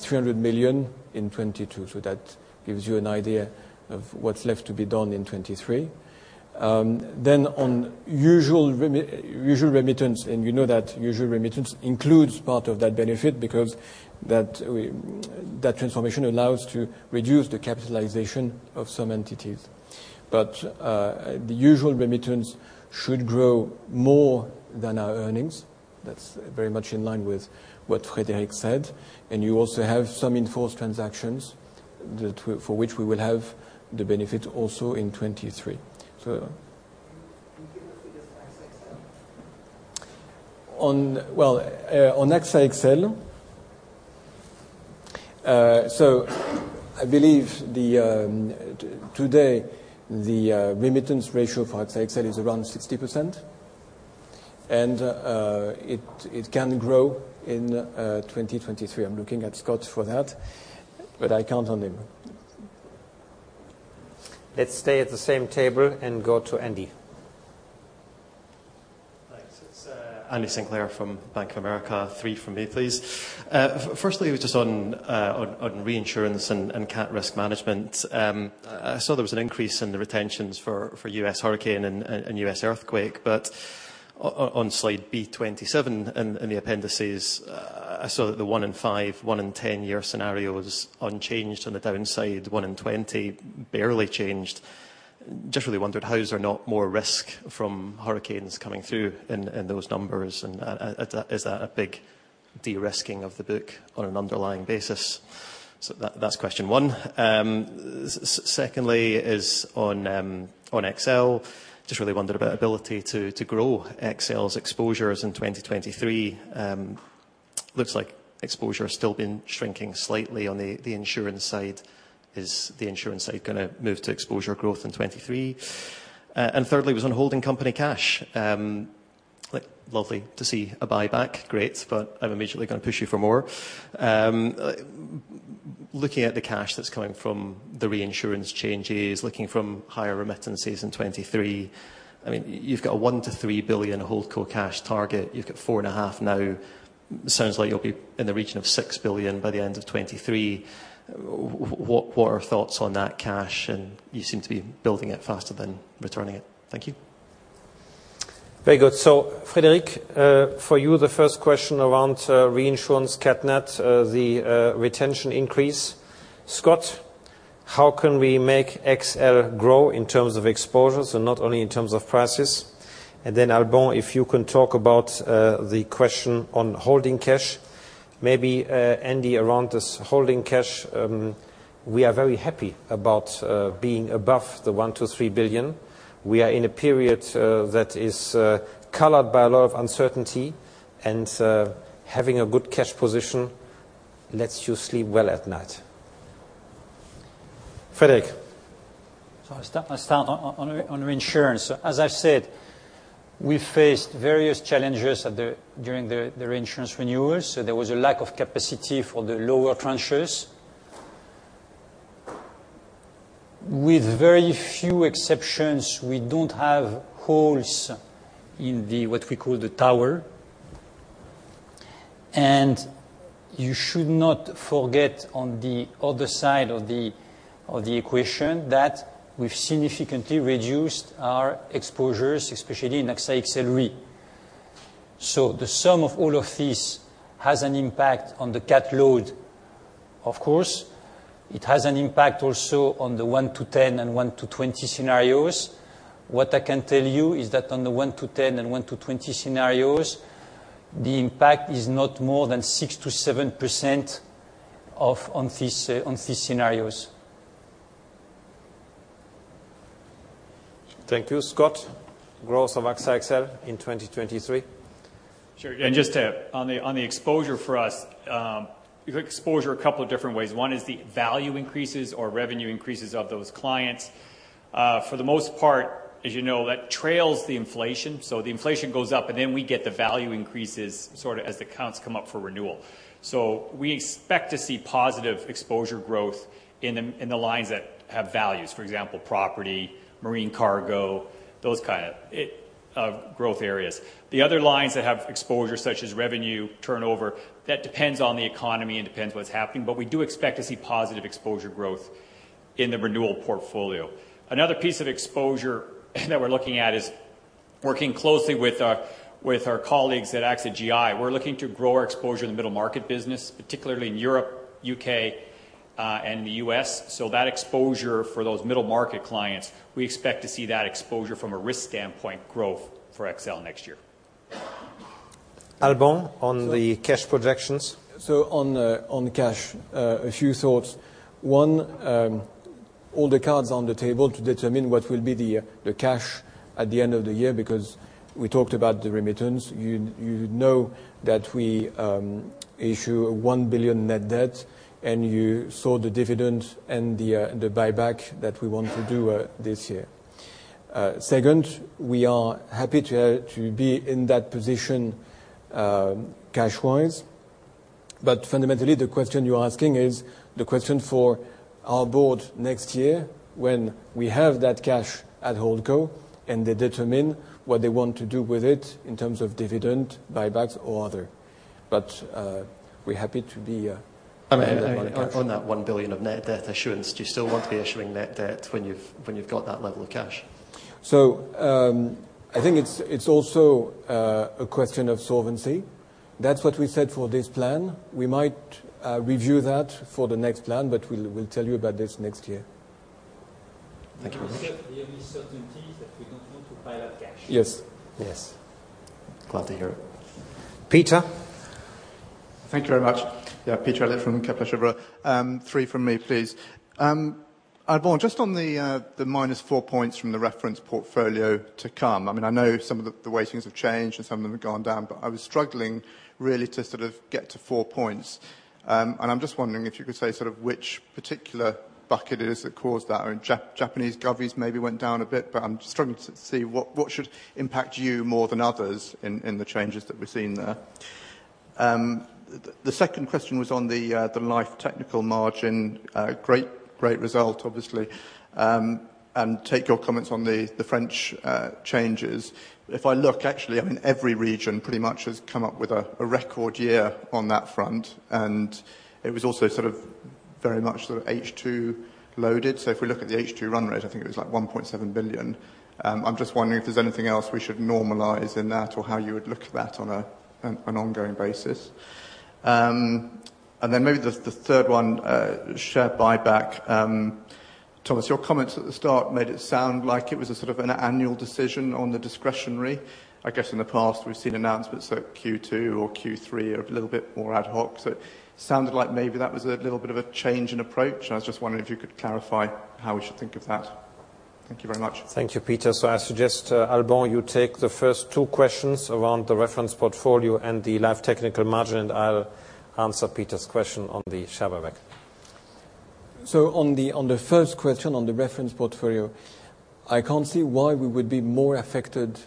300 million in 2022, that gives you an idea of what's left to be done in 2023. On usual remittance, you know that usual remittance includes part of that benefit because that transformation allows to reduce the capitalization of some entities. The usual remittance should grow more than our earnings. That's very much in line with what Frédéric said. You also have some enforced transactions for which we will have the benefit also in 2023. Can you give us the details on AXA XL? On AXA XL, I believe the today, the remittance ratio for AXA XL is around 60%. It can grow in 2023. I'm looking at Scott for that. I count on him. Let's stay at the same table and go to Andy. Thanks. It's Andrew Sinclair from Bank of America. Three from me, please. Firstly, just on reinsurance and cat risk management. I saw there was an increase in the retentions for U.S. hurricane and U.S. earthquake, but on slide B 27 in the appendices, I saw that the one in five, one in 10-year scenario is unchanged on the downside, one in 20 barely changed. Just really wondered how is there not more risk from hurricanes coming through in those numbers? Is that a big de-risking of the book on an underlying basis? That's question one. Secondly is on XL. Just really wondered about ability to grow XL's exposures in 2023. Looks like exposure has still been shrinking slightly on the insurance side. Is the insurance side going to move to exposure growth in 2023? Thirdly was on holding company cash. Lovely to see a buyback, great, but I'm immediately going to push you for more. Looking at the cash that's coming from the reinsurance changes, looking from higher remittances in 2023, I mean, you've got a 1 billion-3 billion Holdco cash target. You've got 4.5 billion now. Sounds like you'll be in the region of 6 billion by the end of 2023. What are thoughts on that cash? You seem to be building it faster than returning it. Thank you. Very good. Frédéric, for you, the first question around reinsurance Nat Cat, the retention increase. Scott, how can we make XL grow in terms of exposures and not only in terms of prices? Alban, if you can talk about the question on holding cash. Andy, around this holding cash, we are very happy about being above the 1 billion-3 billion. We are in a period that is colored by a lot of uncertainty, and having a good cash position lets you sleep well at night. Frédéric. I start on reinsurance. As I've said, we faced various challenges during the reinsurance renewals. There was a lack of capacity for the lower tranches. With very few exceptions, we don't have holes in what we call the tower. You should not forget on the other side of the equation that we've significantly reduced our exposures, especially in AXA XL Re. The sum of all of these has an impact on the cat load. Of course, it has an impact also on the one to 10 and one to 20 scenarios. What I can tell you is that on the one to 10 and one to 20 scenarios, the impact is not more than 6%-7% of on these scenarios. Thank you. Scott, growth of AXA XL in 2023. Sure. Just on the exposure for us, you've exposure a couple of different ways. One is the value increases or revenue increases of those clients. For the most part, as you know, that trails the inflation. The inflation goes up, and then we get the value increases sorta as the counts come up for renewal. We expect to see positive exposure growth in the lines that have values. For example, property, marine cargo, those kind of growth areas. The other lines that have exposure, such as revenue turnover, that depends on the economy and depends what's happening. We do expect to see positive exposure growth in the renewal portfolio. Another piece of exposure that we're looking at is working closely with our colleagues at AXA GI. We're looking to grow our exposure in the middle market business, particularly in Europe, UK, and the US. That exposure for those middle market clients, we expect to see that exposure from a risk standpoint growth for XL next year. Alban, on the cash projections. On the cash, a few thoughts. One, all the cards on the table to determine what will be the cash at the end of the year because we talked about the remittance. You know that we issue 1 billion net debt, and you saw the dividend and the buyback that we want to do this year. Second, we are happy to be in that position cash-wise. Fundamentally, the question you're asking is the question for our board next year when we have that cash at Holdco, and they determine what they want to do with it in terms of dividend, buybacks or other. We're happy to be. On that 1 billion of net debt issuance, do you still want to be issuing net debt when you've got that level of cash? I think it's also a question of solvency. That's what we said for this plan. We might review that for the next plan, but we'll tell you about this next year. Thank you. The only certainty is that we don't want to pile up cash. Yes. Yes. Glad to hear it, Peter. Thank you very much. Yeah, Peter Eliot from Kepler Cheuvreux. Three from me, please. Alban, just on the minus 4 points from the reference portfolio to come, I mean, I know some of the weightings have changed and some of them have gone down, but I was struggling really to sort of get to 4 points. I'm just wondering if you could say sort of which particular bucket it is that caused that. I mean, Japanese govies maybe went down a bit, but I'm struggling to see what should impact you more than others in the changes that we've seen there. The second question was on the life technical margin. Great, great result, obviously. Take your comments on the French changes. If I look, actually, I mean, every region pretty much has come up with a record year on that front, and it was also sort of very much sort of H2 loaded. If we look at the H2 run rate, I think it was like 1.7 billion. I'm just wondering if there's anything else we should normalize in that or how you would look at that on an ongoing basis. Maybe the third one, share buyback. Thomas, your comments at the start made it sound like it was a sort of an annual decision on the discretionary. I guess in the past, we've seen announcements at Q2 or Q3 are a little bit more ad hoc. It sounded like maybe that was a little bit of a change in approach, and I was just wondering if you could clarify how we should think of that. Thank you very much. Thank you, Peter. I suggest, Alban, you take the first two questions around the reference portfolio and the life technical margin, and I'll answer Peter's question on the share buyback. On the first question, on the reference portfolio, I can't see why we would be more affected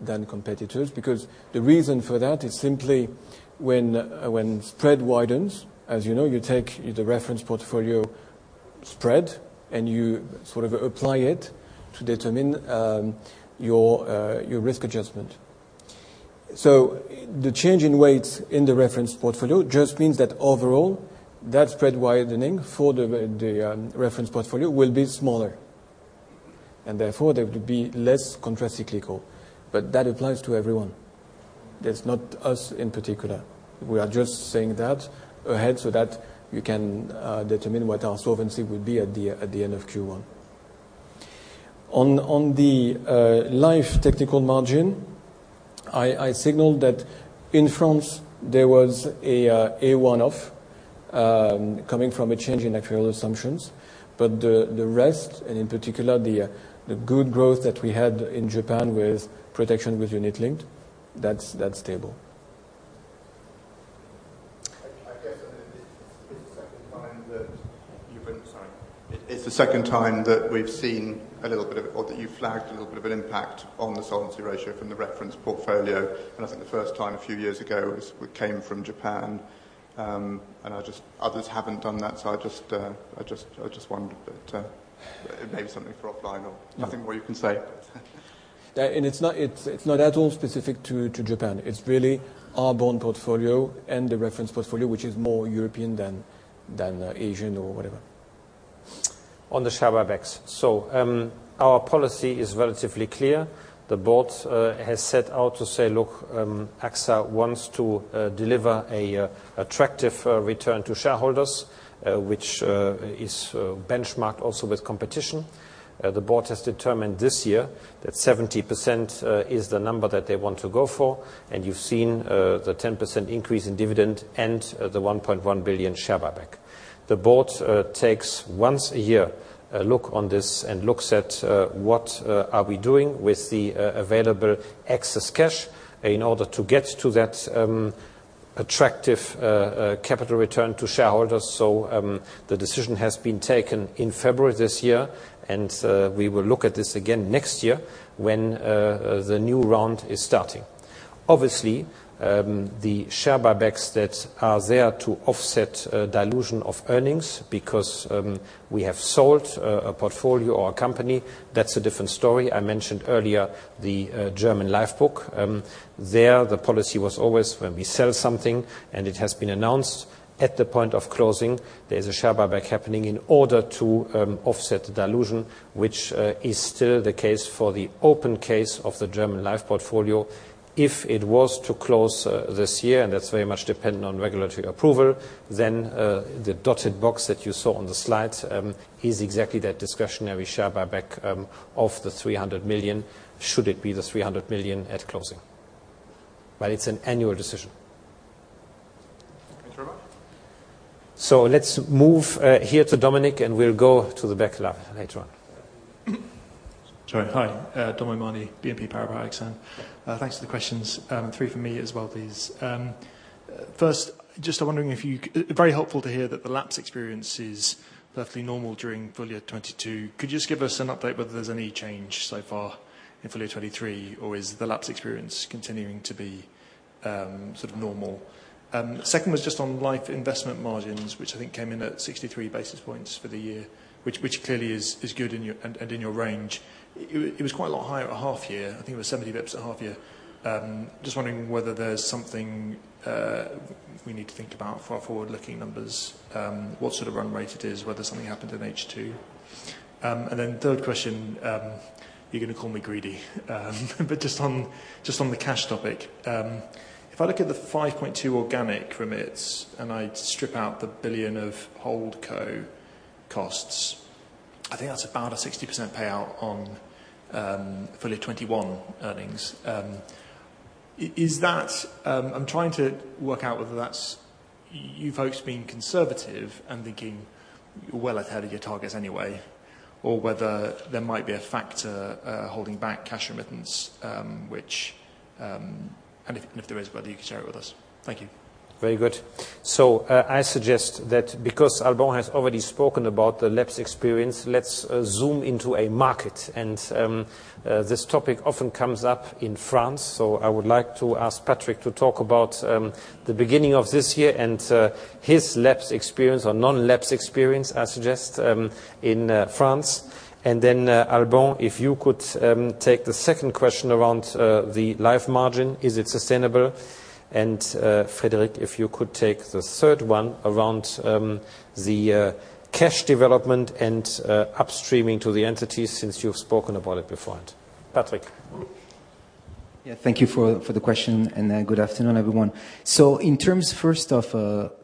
than competitors, because the reason for that is simply when spread widens, as you know, you take the reference portfolio spread, and you sort of apply it to determine your risk adjustment. The change in weights in the reference portfolio just means that overall, that spread widening for the reference portfolio will be smaller, and therefore, they would be less contracyclical. That applies to everyone. That's not us in particular. We are just saying that ahead so that you can determine what our solvency will be at the end of Q1. On the life technical margin, I signaled that in France there was a one-off coming from a change in actuarial assumptions. The rest, and in particular the good growth that we had in Japan with protection with unit link, that's stable. I guess it's the second time that you've been. Sorry. It's the second time that we've seen a little bit of, or that you flagged a little bit of an impact on the solvency ratio from the reference portfolio. I think the first time a few years ago was, came from Japan. Others haven't done that, so I just wondered, but maybe something for offline or nothing more you can say. Yeah. It's not, it's not at all specific to Japan. It's really our bond portfolio and the reference portfolio, which is more European than Asian or whatever. On the share buybacks. Our policy is relatively clear. The board has set out to say, "Look, AXA wants to deliver a attractive return to shareholders, which is benchmarked also with competition." The board has determined this year that 70% is the number that they want to go for, and you've seen the 10% increase in dividend and the 1.1 billion share buyback. The board takes once a year a look on this and looks at what are we doing with the available excess cash in order to get to that attractive capital return to shareholders. The decision has been taken in February this year, and we will look at this again next year when the new round is starting. Obviously, the share buybacks that are there to offset dilution of earnings because we have sold a portfolio or a company, that's a different story. I mentioned earlier the German Life book. There the policy was always when we sell something, and it has been announced at the point of closing, there's a share buyback happening in order to offset the dilution, which is still the case for the open case of the German Life portfolio. If it was to close this year, and that's very much dependent on regulatory approval, then the dotted box that you saw on the slides is exactly that discretionary share buyback of the 300 million, should it be the 300 million at closing. It's an annual decision. Thanks very much. Let's move here to Dominic, and we'll go to the back lot later on. Sorry. Hi. Dominic O'Mahony, BNP Paribas Exane. Thanks for the questions. three for me as well, please. first, just wondering. Very helpful to hear that the lapse experience is perfectly normal during full year 2022. Could you just give us an update whether there's any change so far in full year 2023, or is the lapse experience continuing to be, sort of normal? second was just on life investment margins, which I think came in at 63 basis points for the year, which clearly is good and in your range. It was quite a lot higher at half year. I think it was 70 basis points at half year. Just wondering whether there's something we need to think about for our forward-looking numbers, what sort of run rate it is, whether something happened in H2. Third question, you're going to call me greedy. Just on the cash topic. If I look at the 5.2 organic from it, and I strip out the 1 billion of Holdco costs, I think that's about a 60% payout on full year 2021 earnings. Is that I'm trying to work out whether that's you folks being conservative and thinking you're well ahead of your targets anyway, or whether there might be a factor holding back cash remittance, which, and if there is, whether you could share it with us. Thank you. Very good. I suggest that because Alban has already spoken about the lapse experience, let's zoom into a market. This topic often comes up in France, so I would like to ask Patrick to talk about the beginning of this year and his lapse experience or non-lapse experience, I suggest, in France. Alban, if you could take the second question around the life margin, is it sustainable? Frédéric, if you could take the third one around the cash development and upstreaming to the entities since you've spoken about it before. Patrick. Yeah. Thank you for the question, and good afternoon, everyone. In terms first of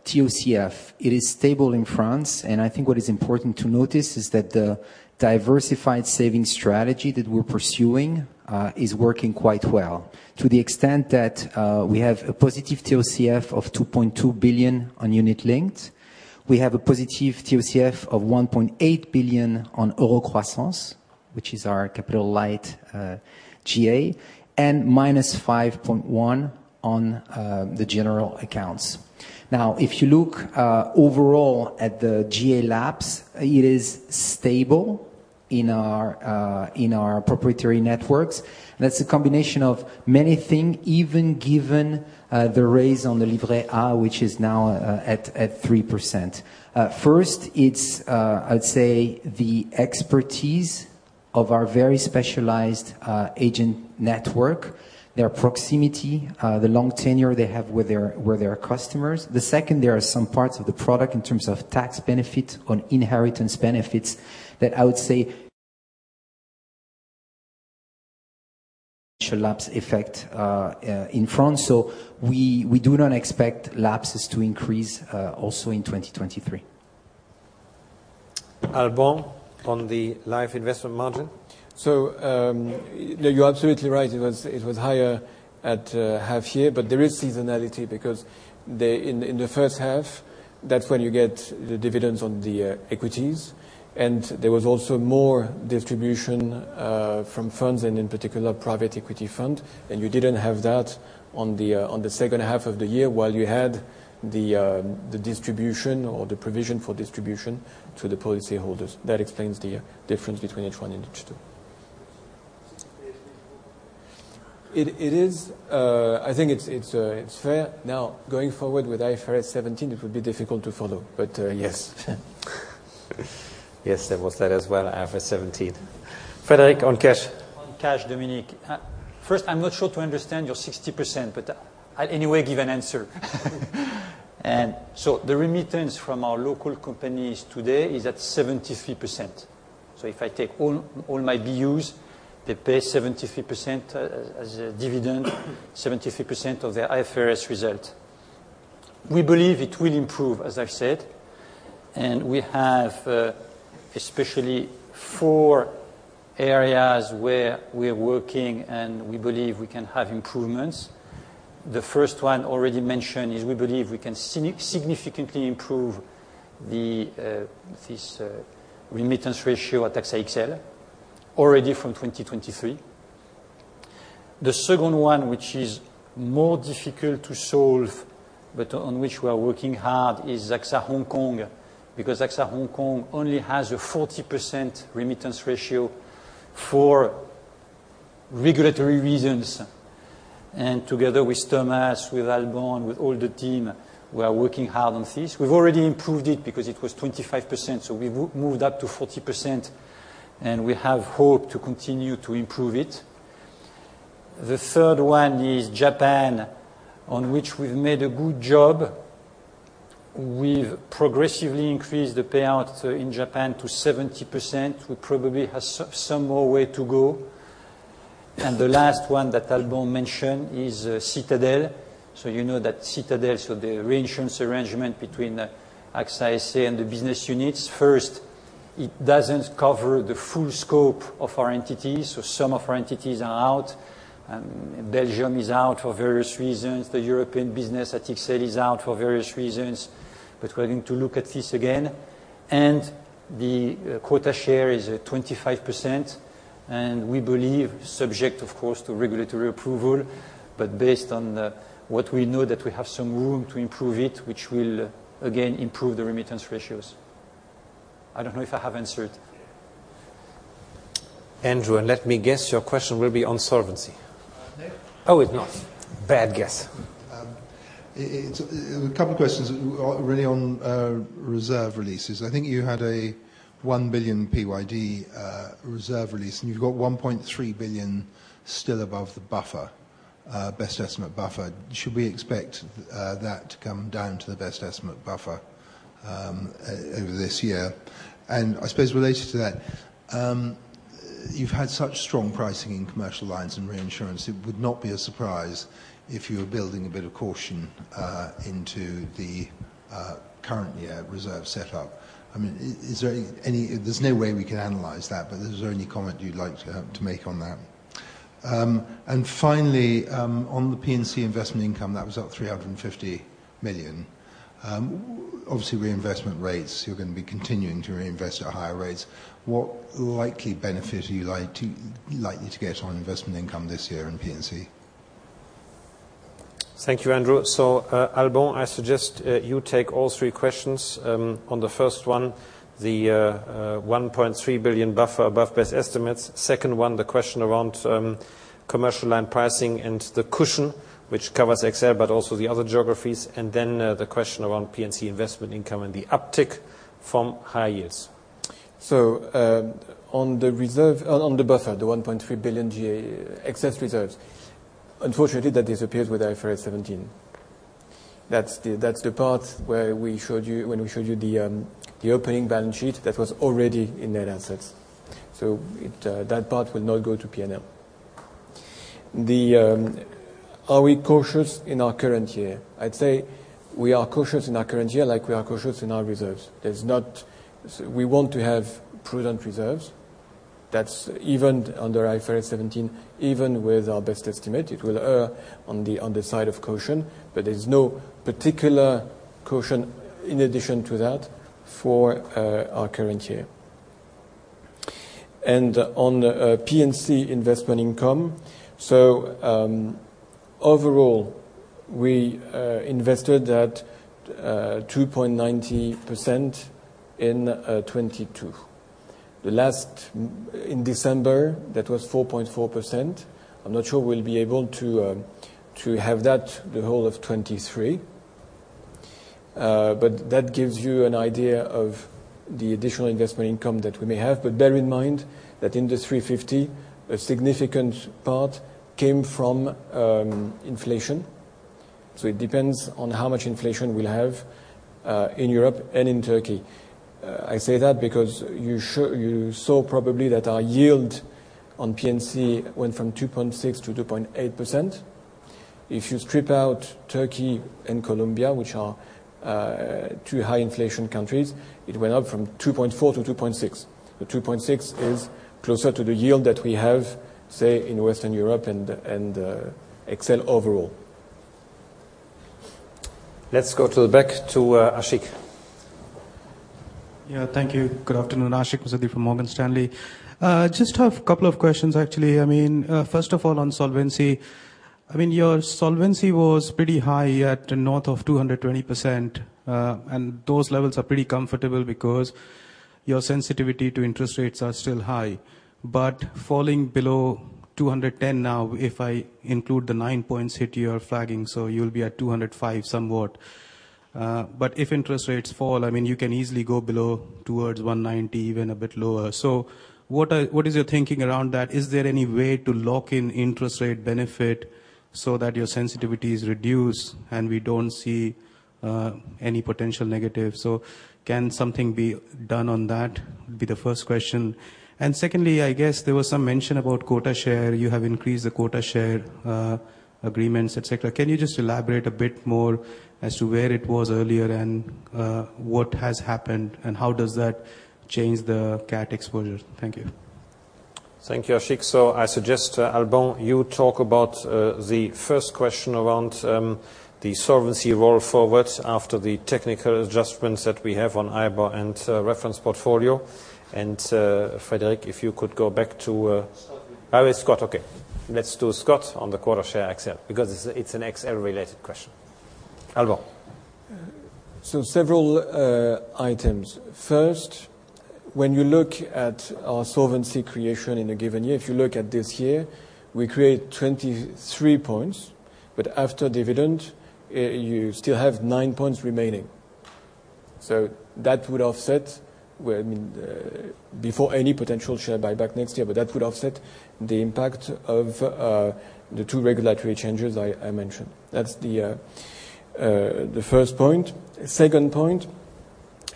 TOCF, it is stable in France, and I think what is important to notice is that the diversified savings strategy that we're pursuing is working quite well. To the extent that we have a positive TOCF of 2.2 billion on unit-linked. We have a positive TOCF of 1.8 billion on Euro Croissance, which is our capital-light GA, and minus 5.1 billion on the general accounts. If you look overall at the GA lapse, it is stable in our proprietary networks. That's a combination of many thing, even given the raise on the Livret A, which is now at 3%. First, it's, I'd say the expertise of our very specialized, agent network, their proximity, the long tenure they have with their customers. The second, there are some parts of the product in terms of tax benefit on inheritance benefits that I would say lapse effect, in France. We do not expect lapses to increase, also in 2023. Alban, on the life investment margin. You're absolutely right. It was higher at half year, but there is seasonality because in the first half, that's when you get the dividends on the equities. There was also more distribution from funds and in particular private equity fund. You didn't have that on the second half of the year, while you had the distribution or the provision for distribution to the policy holders. That explains the difference between H1 and H2. It is, I think it's fair. Going forward with IFRS 17 it will be difficult to follow, but yes. Yes, there was that as well, IFRS 17. Frédéric, on cash. On cash, Dominique. First, I'm not sure to understand your 60%, I'll anyway give an answer. The remittance from our local companies today is at 73%. If I take all my BUs, they pay 73% as a dividend, 73% of their IFRS result. We believe it will improve, as I've said. We have especially four areas where we're working and we believe we can have improvements. The first one already mentioned is we believe we can significantly improve the remittance ratio at AXA XL already from 2023. The second one, which is more difficult to solve, but on which we are working hard, is AXA Hong Kong, because AXA Hong Kong only has a 40% remittance ratio for regulatory reasons. Together with Thomas, with Alban, with all the team, we are working hard on this. We've already improved it because it was 25%, so we've moved up to 40%, and we have hope to continue to improve it. The third one is Japan, on which we've made a good job. We've progressively increased the payout in Japan to 70%. We probably have some more way to go. The last one that Alban mentioned is Citadel. You know that Citadel, so the reinsurance arrangement between AXA IC and the business units. First, it doesn't cover the full scope of our entities, so some of our entities are out. Belgium is out for various reasons. The European business at AXA XL is out for various reasons. We are going to look at this again. The quota share is at 25%, and we believe, subject of course to regulatory approval, but based on what we know that we have some room to improve it, which will again improve the remittance ratios. I don't know if I have answered. Andrew, let me guess, your question will be on solvency. No. Oh, it's not. Bad guess. It's a couple of questions really on reserve releases. I think you had a 1 billion PYD reserve release, and you've got 1.3 billion still above the buffer, best estimate buffer. Should we expect that to come down to the best estimate buffer over this year? I suppose related to that, you've had such strong pricing in commercial lines and reinsurance, it would not be a surprise if you were building a bit of caution into the current year reserve set up. I mean, is there any comment you'd like to make on that? Finally, on the P&C investment income, that was up 350 million. Obviously reinvestment rates, you're going to be continuing to reinvest at higher rates. What likely benefit are you likely to get on investment income this year in P&C? Thank you, Andrew. Alban, I suggest you take all three questions. On the first one, the 1.3 billion buffer above best estimates. Second one, the question around commercial line pricing and the cushion, which covers XL but also the other geographies. The question around P&C investment income and the uptick from high yields. On the buffer, the 1.3 billion GA excess reserves. Unfortunately, that disappears with IFRS 17. That's the part when we showed you the opening balance sheet that was already in net assets. That part will not go to P&L. Are we cautious in our current year? I'd say we are cautious in our current year like we are cautious in our reserves. We want to have prudent reserves. That's even under IFRS 17, even with our best estimate, it will err on the side of caution, but there's no particular caution in addition to that for our current year. On P&C investment income. Overall, we invested at 2.90% in 2022. In December, that was 4.4%. I'm not sure we'll be able to have that the whole of 2023. That gives you an idea of the additional investment income that we may have. Bear in mind that in the 350, a significant part came from inflation. It depends on how much inflation we'll have in Europe and in Turkey. I say that because you saw probably that our yield on P&C went from 2.6%-2.8%. If you strip out Turkey and Colombia, which are two high inflation countries, it went up from 2.4% to 2.6%. The 2.6% is closer to the yield that we have, say, in Western Europe and XL overall. Let's go to the back to, Ashik. Yeah, thank you. Good afternoon. Ashik Musaddi, Morgan Stanley. Just have a couple of questions, actually. I mean, first of all, on solvency. I mean, your solvency was pretty high at north of 220%. Those levels are pretty comfortable because your sensitivity to interest rates are still high. Falling below 210 now, if I include the 9 points hit you're flagging, so you'll be at 205 somewhat. If interest rates fall, I mean, you can easily go below towards 190, even a bit lower. What is your thinking around that? Is there any way to lock in interest rate benefit so that your sensitivity is reduced and we don't see any potential negatives? Can something be done on that? Be the first question. Secondly, I guess there was some mention about quota share. You have increased the quota share agreements, et cetera. Can you just elaborate a bit more as to where it was earlier and what has happened and how does that change the cat exposure? Thank you. Thank you, Ashik. I suggest, Alban, you talk about the first question around the solvency roll forward after the technical adjustments that we have on IBOR and reference portfolio. Frédéric, if you could go back to. Scott. Oh, it's Scott. Okay. Let's do Scott on the quota share XL because it's an XL related question. Alban. Several items. First, when you look at our solvency creation in a given year, if you look at this year, we create 23 points, but after dividend, you still have 9 points remaining. That would offset when, before any potential share buyback next year, but that would offset the impact of the two regulatory changes I mentioned. That's the first point. Second point,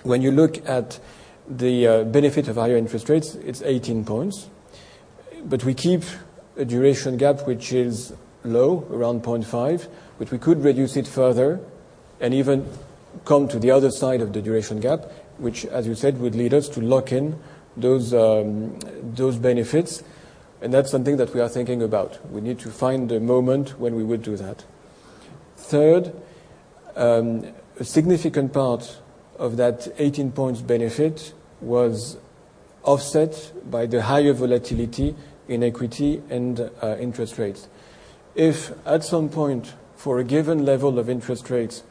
when you look at the benefit of higher interest rates, it's 18 points. We keep a duration gap, which is low around 0.5, but we could reduce it further and even come to the other side of the duration gap, which as you said, would lead us to lock in those benefits. That's something that we are thinking about. We need to find a moment when we would do that. A significant part of that 18 points benefit was offset by the higher volatility in equity and interest rates. If at some point for a given level of interest rates,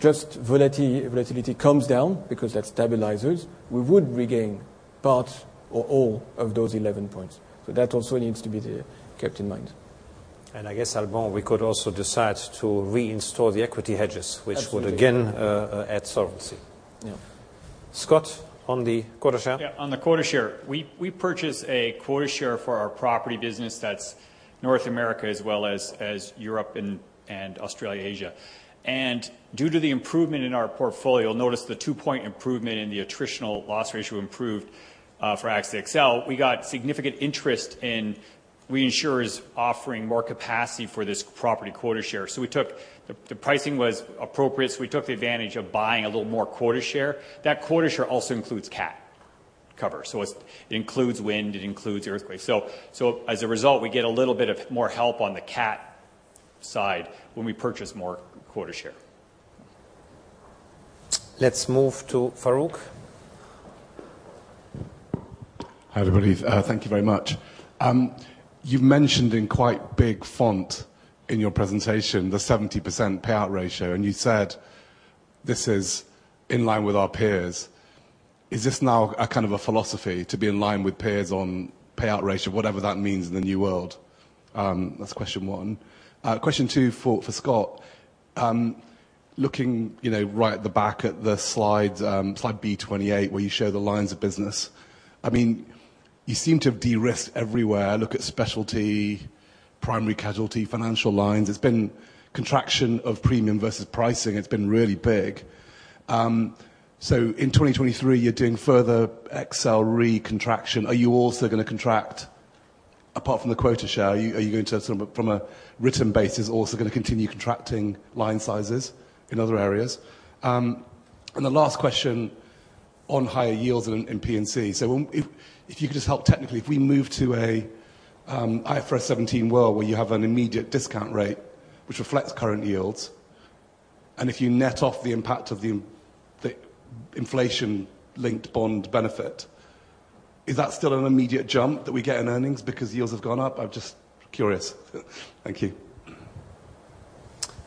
volatility comes down because that stabilizes, we would regain part or all of those 11 points. That also needs to be kept in mind. I guess, Alban, we could also decide to reinstall the equity hedges. Absolutely. Which would again add solvency. Yeah. Scott, on the quota share. On the quota share. We purchased a quota share for our property business. That's North America as well as Europe and Australia, Asia. Due to the improvement in our portfolio, notice the 2 point improvement in the attritional loss ratio improved for AXA XL. We got significant interest in reinsurers offering more capacity for this property quota share. We took. The pricing was appropriate, so we took the advantage of buying a little more quota share. That quota share also includes cat cover. It includes wind, it includes earthquakes. As a result, we get a little bit of more help on the cat side when we purchase more quota share. Let's move to Farooq. Hi, everybody. Thank you very much. You mentioned in quite big font in your presentation the 70% payout ratio, and you said this is in line with our peers. Is this now a kind of a philosophy to be in line with peers on payout ratio, whatever that means in the new world? That's question one. Question two for Scott. Looking, you know, right at the back at the slides, slide B 28, where you show the lines of business. I mean, you seem to have de-risked everywhere. Look at specialty, primary casualty, financial lines. It's been contraction of premium versus pricing. It's been really big. In 2023, you're doing further XL re-contraction. Are you also gonna contract apart from the quota share? Are you going to sort of from a written basis, also gonna continue contracting line sizes in other areas? The last question on higher yields in P&C. If you could just help technically, if we move to a IFRS 17 world where you have an immediate discount rate which reflects current yields, and if you net off the impact of the inflation-linked bond benefit, is that still an immediate jump that we get in earnings because yields have gone up? I'm just curious. Thank you.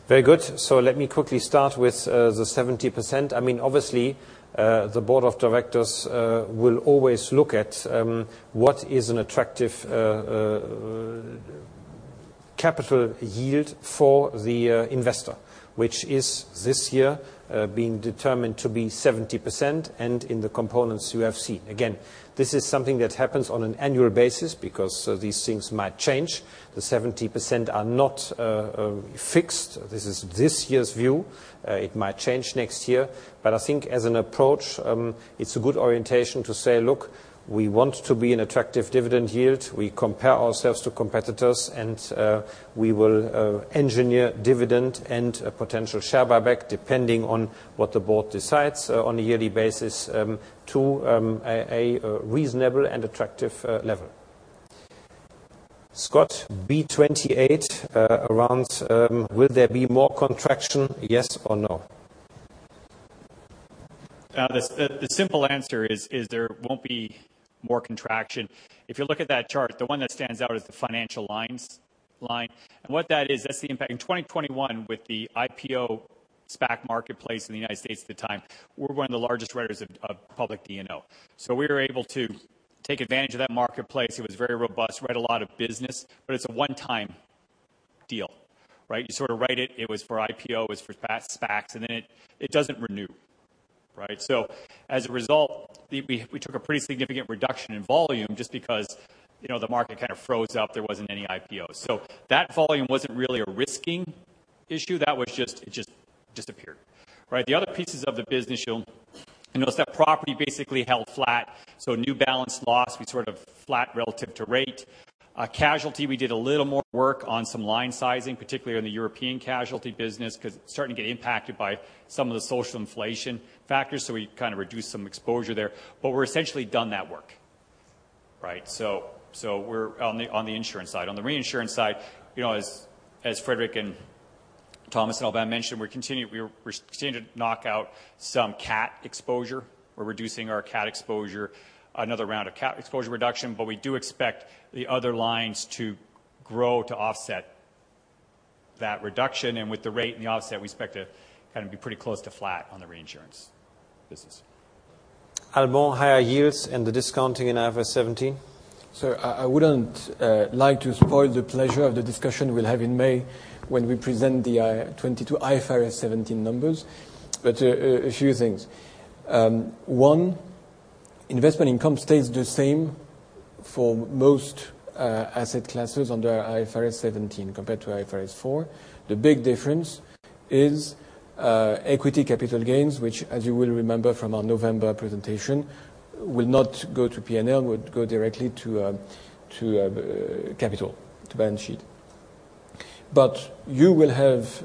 Very good. Let me quickly start with the 70%. I mean, obviously, the board of directors will always look at what is an attractive Capital yield for the investor, which is this year being determined to be 70% and in the components you have seen. Again, this is something that happens on an annual basis because these things might change. The 70% are not fixed. This is this year's view. It might change next year. I think as an approach, it's a good orientation to say, "Look, we want to be an attractive dividend yield. We compare ourselves to competitors, and we will engineer dividend and a potential share buyback depending on what the board decides on a yearly basis, to a reasonable and attractive level. Scott, B 28, around, will there be more contraction? Yes or no? The simple answer is there won't be more contraction. If you look at that chart, the one that stands out is the financial lines. What that is, that's the impact. In 2021 with the IPO SPAC marketplace in the United States at the time, we're one of the largest writers of public D&O. We were able to take advantage of that marketplace. It was very robust. Write a lot of business. It's a one-time deal, right? You sort of write it. It was for IPO, it was for SPACs, it doesn't renew, right? As a result, we took a pretty significant reduction in volume just because, you know, the market kind of froze up. There wasn't any IPO. That volume wasn't really a risking issue. That was just it just disappeared, right? The other pieces of the business, you'll notice that property basically held flat. Net balance of loss, we sort of flat relative to rate. Casualty, we did a little more work on some line sizing, particularly in the European casualty business, 'cause it's starting to get impacted by some of the Social Inflation factors. We kind of reduced some exposure there. We're essentially done that work, right? We're on the insurance side. On the reinsurance side, you know, as Frédéric de Courtois and Thomas Buberl and Alban de Mailly Nesle mentioned, we're continuing to knock out some cat exposure. We're reducing our cat exposure, another round of cat exposure reduction. We do expect the other lines to grow to offset that reduction. With the rate and the offset, we expect to kind of be pretty close to flat on the reinsurance business. Alban, higher yields and the discounting in IFRS 17. I wouldn't like to spoil the pleasure of the discussion we'll have in May when we present the 2022 IFRS 17 numbers. A few things. One, investment income stays the same for most asset classes under IFRS 17 compared to IFRS 4. The big difference is equity capital gains, which as you will remember from our November presentation, will not go to P&L, would go directly to capital, to balance sheet. You will have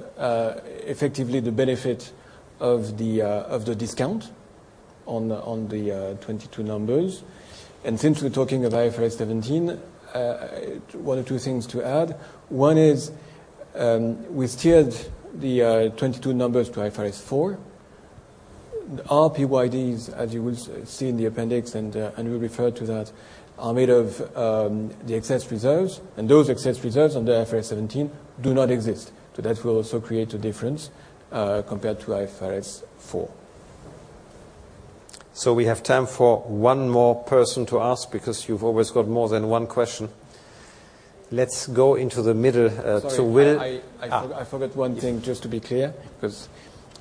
effectively the benefit of the discount on the 2022 numbers. Since we're talking of IFRS 17, one or two things to add. One is, we steered the 2022 numbers to IFRS 4. Our PYDs, as you will see in the appendix, and we refer to that, are made of the excess reserves, and those excess reserves under IFRS 17 do not exist. That will also create a difference compared to IFRS 4. We have time for one more person to ask because you've always got more than one question. Let's go into the middle to Will. Sorry, I forgot one thing, just to be clear, 'cause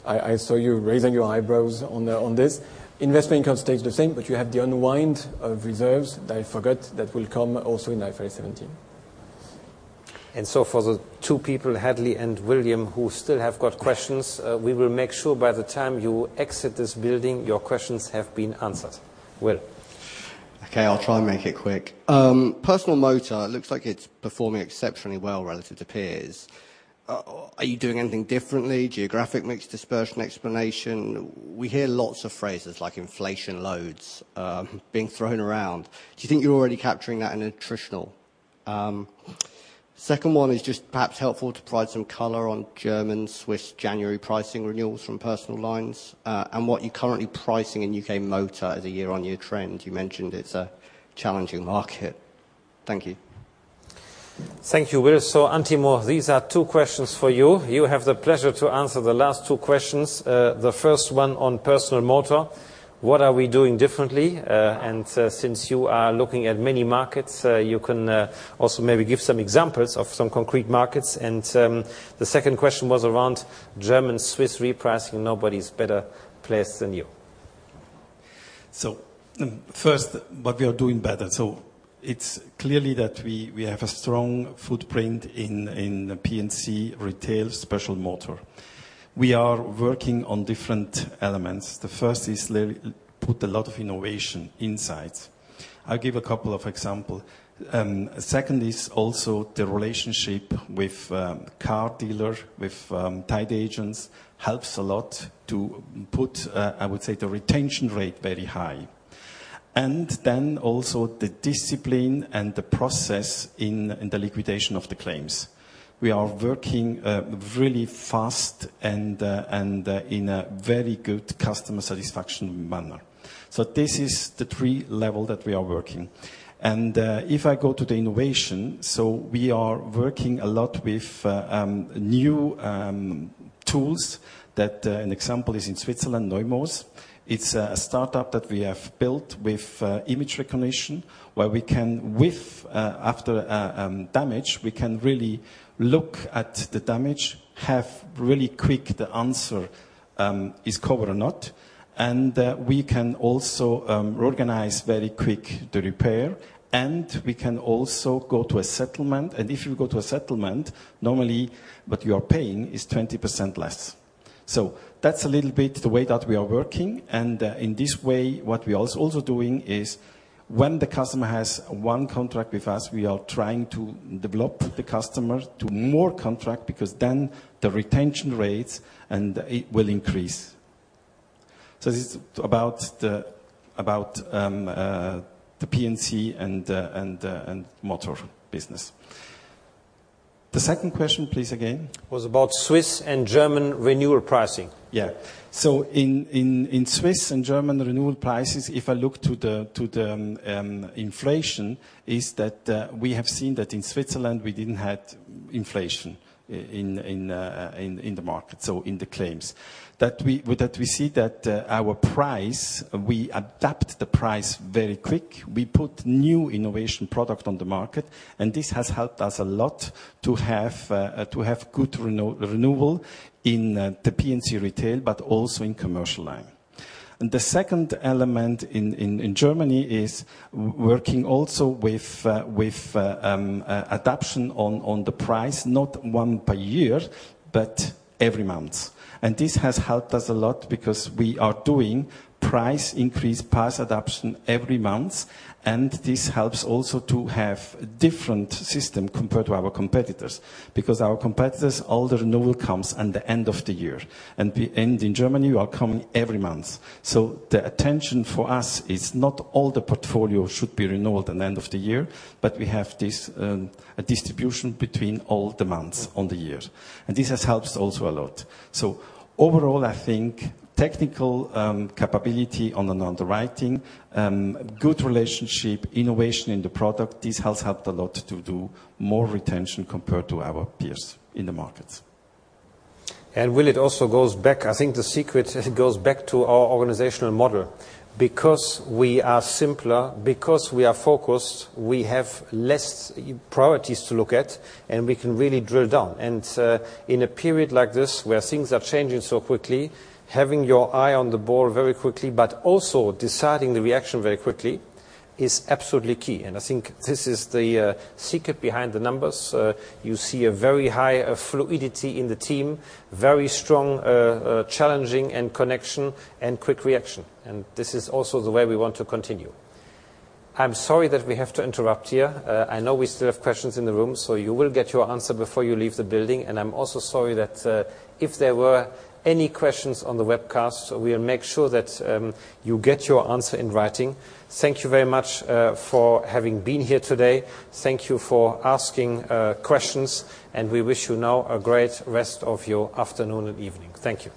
I saw you raising your eyebrows on this. Investment income stays the same. You have the unwind of reserves that I forgot that will come also in IFRS 17. For the two people, Hadley and William, who still have got questions, we will make sure by the time you exit this building, your questions have been answered. Will. Okay, I'll try and make it quick. Personal motor looks like it's performing exceptionally well relative to peers. Are you doing anything differently? Geographic mix, dispersion explanation? We hear lots of phrases like inflation loads being thrown around. Do you think you're already capturing that in notional? Second one is just perhaps helpful to provide some color on German, Swiss January pricing renewals from personal lines and what you're currently pricing in U.K. motor as a year-on-year trend. You mentioned it's a challenging market. Thank you. Thank you, Will. Antimo, these are two questions for you. You have the pleasure to answer the last two questions. The first one on personal motor, what are we doing differently? Since you are looking at many markets, you can also maybe give some examples of some concrete markets. The second question was around German, Swiss repricing. Nobody's better placed than you. First, what we are doing better. It's clearly that we have a strong footprint in P&C retail special motor. We are working on different elements. The first is put a lot of innovation insights. I'll give a couple of example. Second is also the relationship with car dealer, with tied agents, helps a lot to put, I would say, the retention rate very high. Then also the discipline and the process in the liquidation of the claims. We are working really fast and in a very good customer satisfaction manner. This is the three level that we are working. If I go to the innovation, we are working a lot with new tools that, an example is in Switzerland, Neuroo. It's a startup that we have built with image recognition, where we can with after damage, we can really look at the damage, have really quick the answer, is covered or not. We can also organize very quick the repair, and we can also go to a settlement. If you go to a settlement, normally what you are paying is 20% less. That's a little bit the way that we are working. In this way, what we are also doing is when the customer has 1 contract with us, we are trying to develop the customer to more contract because then the retention rates and it will increase. This about the, about the P&C and motor business. The second question please, again. Was about Swiss and German renewal pricing. Yeah. In Swiss and German renewal prices, if I look to the inflation, is that we have seen that in Switzerland we didn't have inflation in the market, so in the claims. We see that our price, we adapt the price very quick. We put new innovation product on the market. This has helped us a lot to have good renewal in the P&C retail but also in commercial line. The second element in Germany is working also with adaptation on the price, not 1 per year, but every month. This has helped us a lot because we are doing price increase, price adaptation every month. This helps also to have different system compared to our competitors. Because our competitors, all the renewal comes at the end of the year. The end in Germany, we are coming every month. The attention for us is not all the portfolio should be renewed at the end of the year, but we have this distribution between all the months on the year. This has helped also a lot. Overall, I think technical capability on an underwriting good relationship, innovation in the product, this has helped a lot to do more retention compared to our peers in the markets. Will, it also goes back, I think the secret goes back to our organizational model. We are simpler, we are focused, we have less priorities to look at, we can really drill down. In a period like this where things are changing so quickly, having your eye on the ball very quickly, also deciding the reaction very quickly is absolutely key. I think this is the secret behind the numbers. You see a very high fluidity in the team, very strong challenging connection and quick reaction. This is also the way we want to continue. I'm sorry that we have to interrupt here. I know we still have questions in the room, you will get your answer before you leave the building. I'm also sorry that, if there were any questions on the webcast, we'll make sure that you get your answer in writing. Thank you very much for having been here today. Thank you for asking questions, and we wish you now a great rest of your afternoon and evening. Thank you.